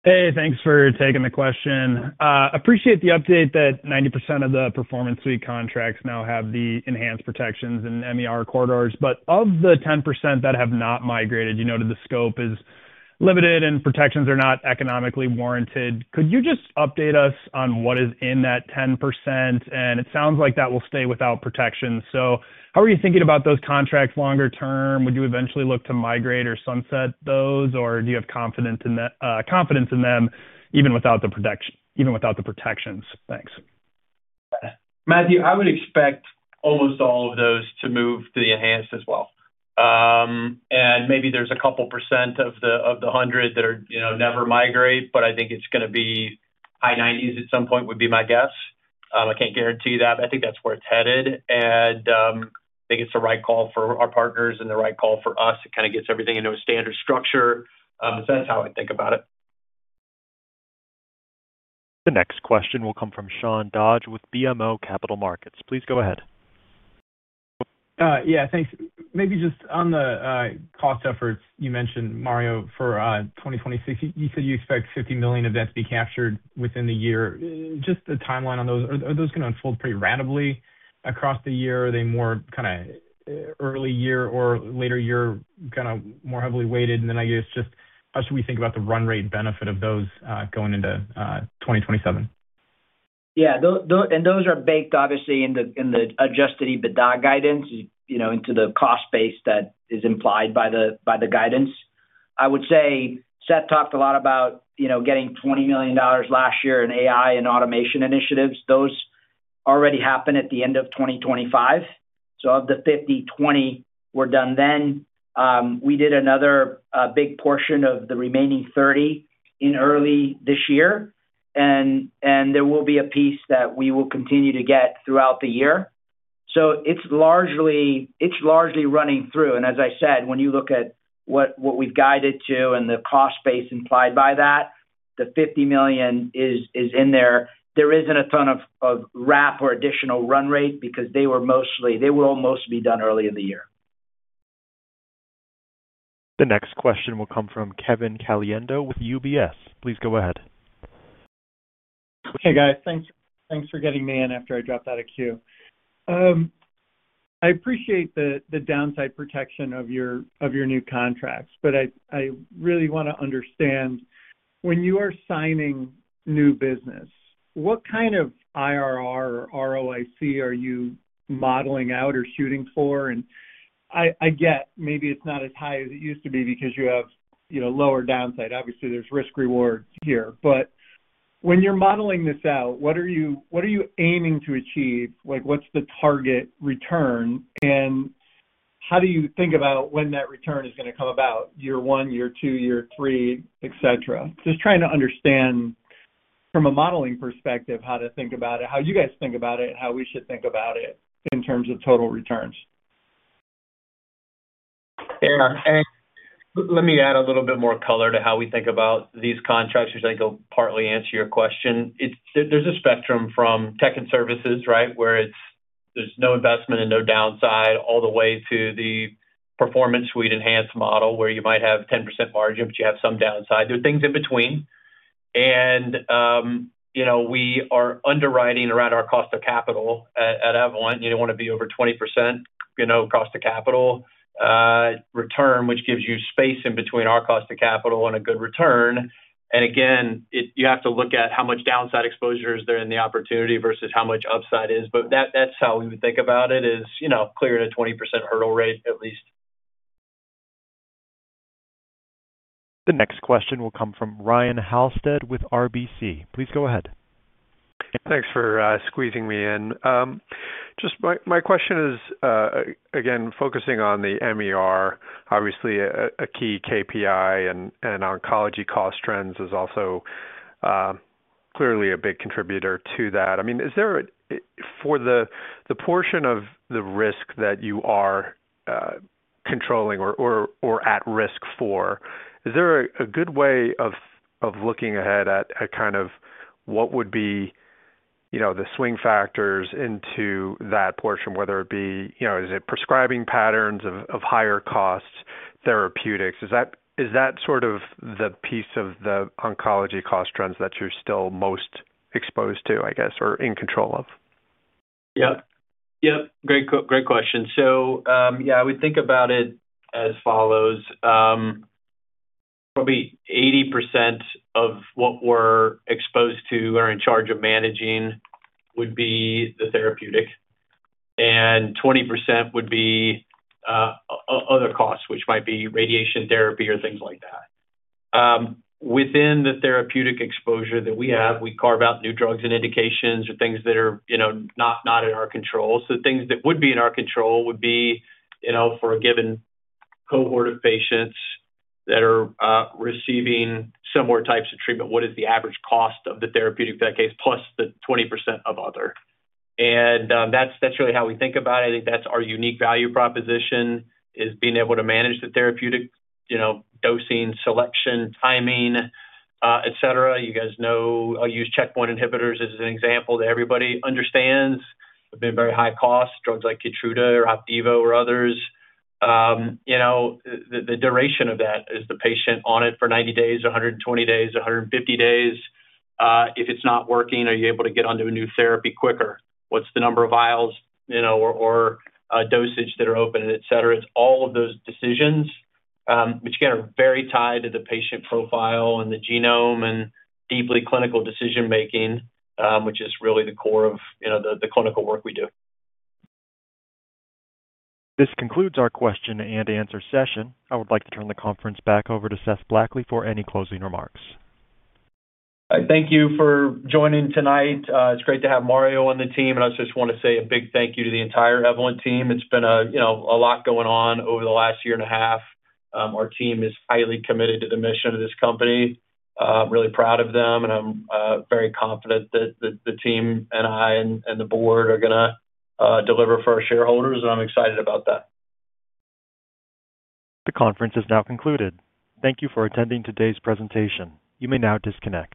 Hey, thanks for taking the question. Appreciate the update that 90% of the Performance Suite contracts now have the enhanced protections in risk corridors. Of the 10% that have not migrated, you know, to the scope is limited and protections are not economically warranted. Could you just update us on what is in that 10%? It sounds like that will stay without protection. How are you thinking about those contracts longer term? Would you eventually look to migrate or sunset those, or do you have confidence in them, even without the protections? Thanks. Matthew, I would expect almost all of those to move to the enhanced as well. Maybe there's a couple % of the, of the 100 that are, you know, never migrate, but I think it's gonna be high 90s at some point, would be my guess. I can't guarantee that, but I think that's where it's headed. I think it's the right call for our partners and the right call for us. It kind of gets everything into a standard structure. That's how I think about it. The next question will come from Sean Dodge with BMO Capital Markets. Please go ahead. Yeah, thanks. Maybe just on the cost efforts you mentioned, Mario Ramos, for 2026, you said you expect $50 million of that to be captured within the year. Just the timeline on those, are those going to unfold pretty randomly across the year, or are they more kind of early year or later year, kind of more heavily weighted? I guess just how should we think about the run rate benefit of those going into 2027? Yeah. Those are baked obviously, in the adjusted EBITDA guidance, you know, into the cost base that is implied by the guidance. I would say Seth talked a lot about, you know, getting $20 million last year in AI and automation initiatives. Those already happened at the end of 2025. Of the 50, 20 were done then. We did another big portion of the remaining 30 in early this year, and there will be a piece that we will continue to get throughout the year. It's largely running through. As I said, when you look at what we've guided to and the cost base implied by that, the $50 million is in there. There isn't a ton of wrap or additional run rate because they were mostly they were almost be done early in the year. The next question will come from Kevin Caliendo with UBS. Please go ahead. Hey, guys, thanks. Thanks for getting me in after I dropped out of queue. I appreciate the downside protection of your new contracts. I really want to understand, when you are signing new business, what kind of IRR or ROIC are you modeling out or shooting for? I get maybe it's not as high as it used to be because you have, you know, lower downside. Obviously, there's risk-reward here. When you're modeling this out, what are you aiming to achieve? Like, what's the target return? How do you think about when that return is going to come about? Year one, year two, year three, et cetera. Just trying to understand from a modeling perspective, how to think about it, how you guys think about it, how we should think about it in terms of total returns. Yeah, let me add a little bit more color to how we think about these contracts, which I think will partly answer your question. There's a spectrum from tech and services, right? Where it's, there's no investment and no downside, all the way to the Performance Suite enhanced model, where you might have 10% margin, but you have some downside. There are things in between. You know, we are underwriting around our cost of capital at Evolent. You don't want to be over 20%, you know, cost of capital return, which gives you space in between our cost of capital and a good return. Again, you have to look at how much downside exposure is there in the opportunity versus how much upside is. That's how we would think about it is, you know, clearing a 20% hurdle rate at least. The next question will come from Ryan Halstead with RBC. Please go ahead. Thanks for squeezing me in. My question is again focusing on the MER, obviously a key KPI and oncology cost trends is also clearly a big contributor to that. I mean, is there for the portion of the risk that you are controlling or at risk for, is there a good way of looking ahead at kind of what would be, you know, the swing factors into that portion, whether it be, you know, is it prescribing patterns of higher costs therapeutics? Is that sort of the piece of the oncology cost trends that you're still most exposed to, I guess, or in control of? Yep. Yep. Great question. Yeah, I would think about it as follows. Probably 80% of what we're exposed to or in charge of managing would be the therapeutic, and 20% would be other costs, which might be radiation therapy or things like that. Within the therapeutic exposure that we have, we carve out new drugs and indications or things that are, you know, not in our control. Things that would be in our control would be, you know, for a given cohort of patients that are receiving similar types of treatment, what is the average cost of the therapeutic for that case, plus the 20% of other? That's, that's really how we think about it. I think that's our unique value proposition, is being able to manage the therapeutic, you know, dosing, selection, timing, et cetera. You guys know, I'll use checkpoint inhibitors as an example that everybody understands. They've been very high cost, drugs like KEYTRUDA or OPDIVO or others. You know, the duration of that. Is the patient on it for 90 days, 120 days, 150 days? If it's not working, are you able to get onto a new therapy quicker? What's the number of vials, you know, or dosage that are open, et cetera? It's all of those decisions, which again, are very tied to the patient profile and the genome and deeply clinical decision-making, which is really the core of, you know, the clinical work we do. This concludes our question and answer session. I would like to turn the conference back over to Seth Blackley for any closing remarks. I thank you for joining tonight. It's great to have Mario on the team, and I just want to say a big thank you to the entire Evolent team. It's been a, you know, a lot going on over the last year and a half. Our team is highly committed to the mission of this company. I'm really proud of them, and I'm very confident that the team and I and the board are gonna deliver for our shareholders, and I'm excited about that. The conference is now concluded. Thank you for attending today's presentation. You may now disconnect.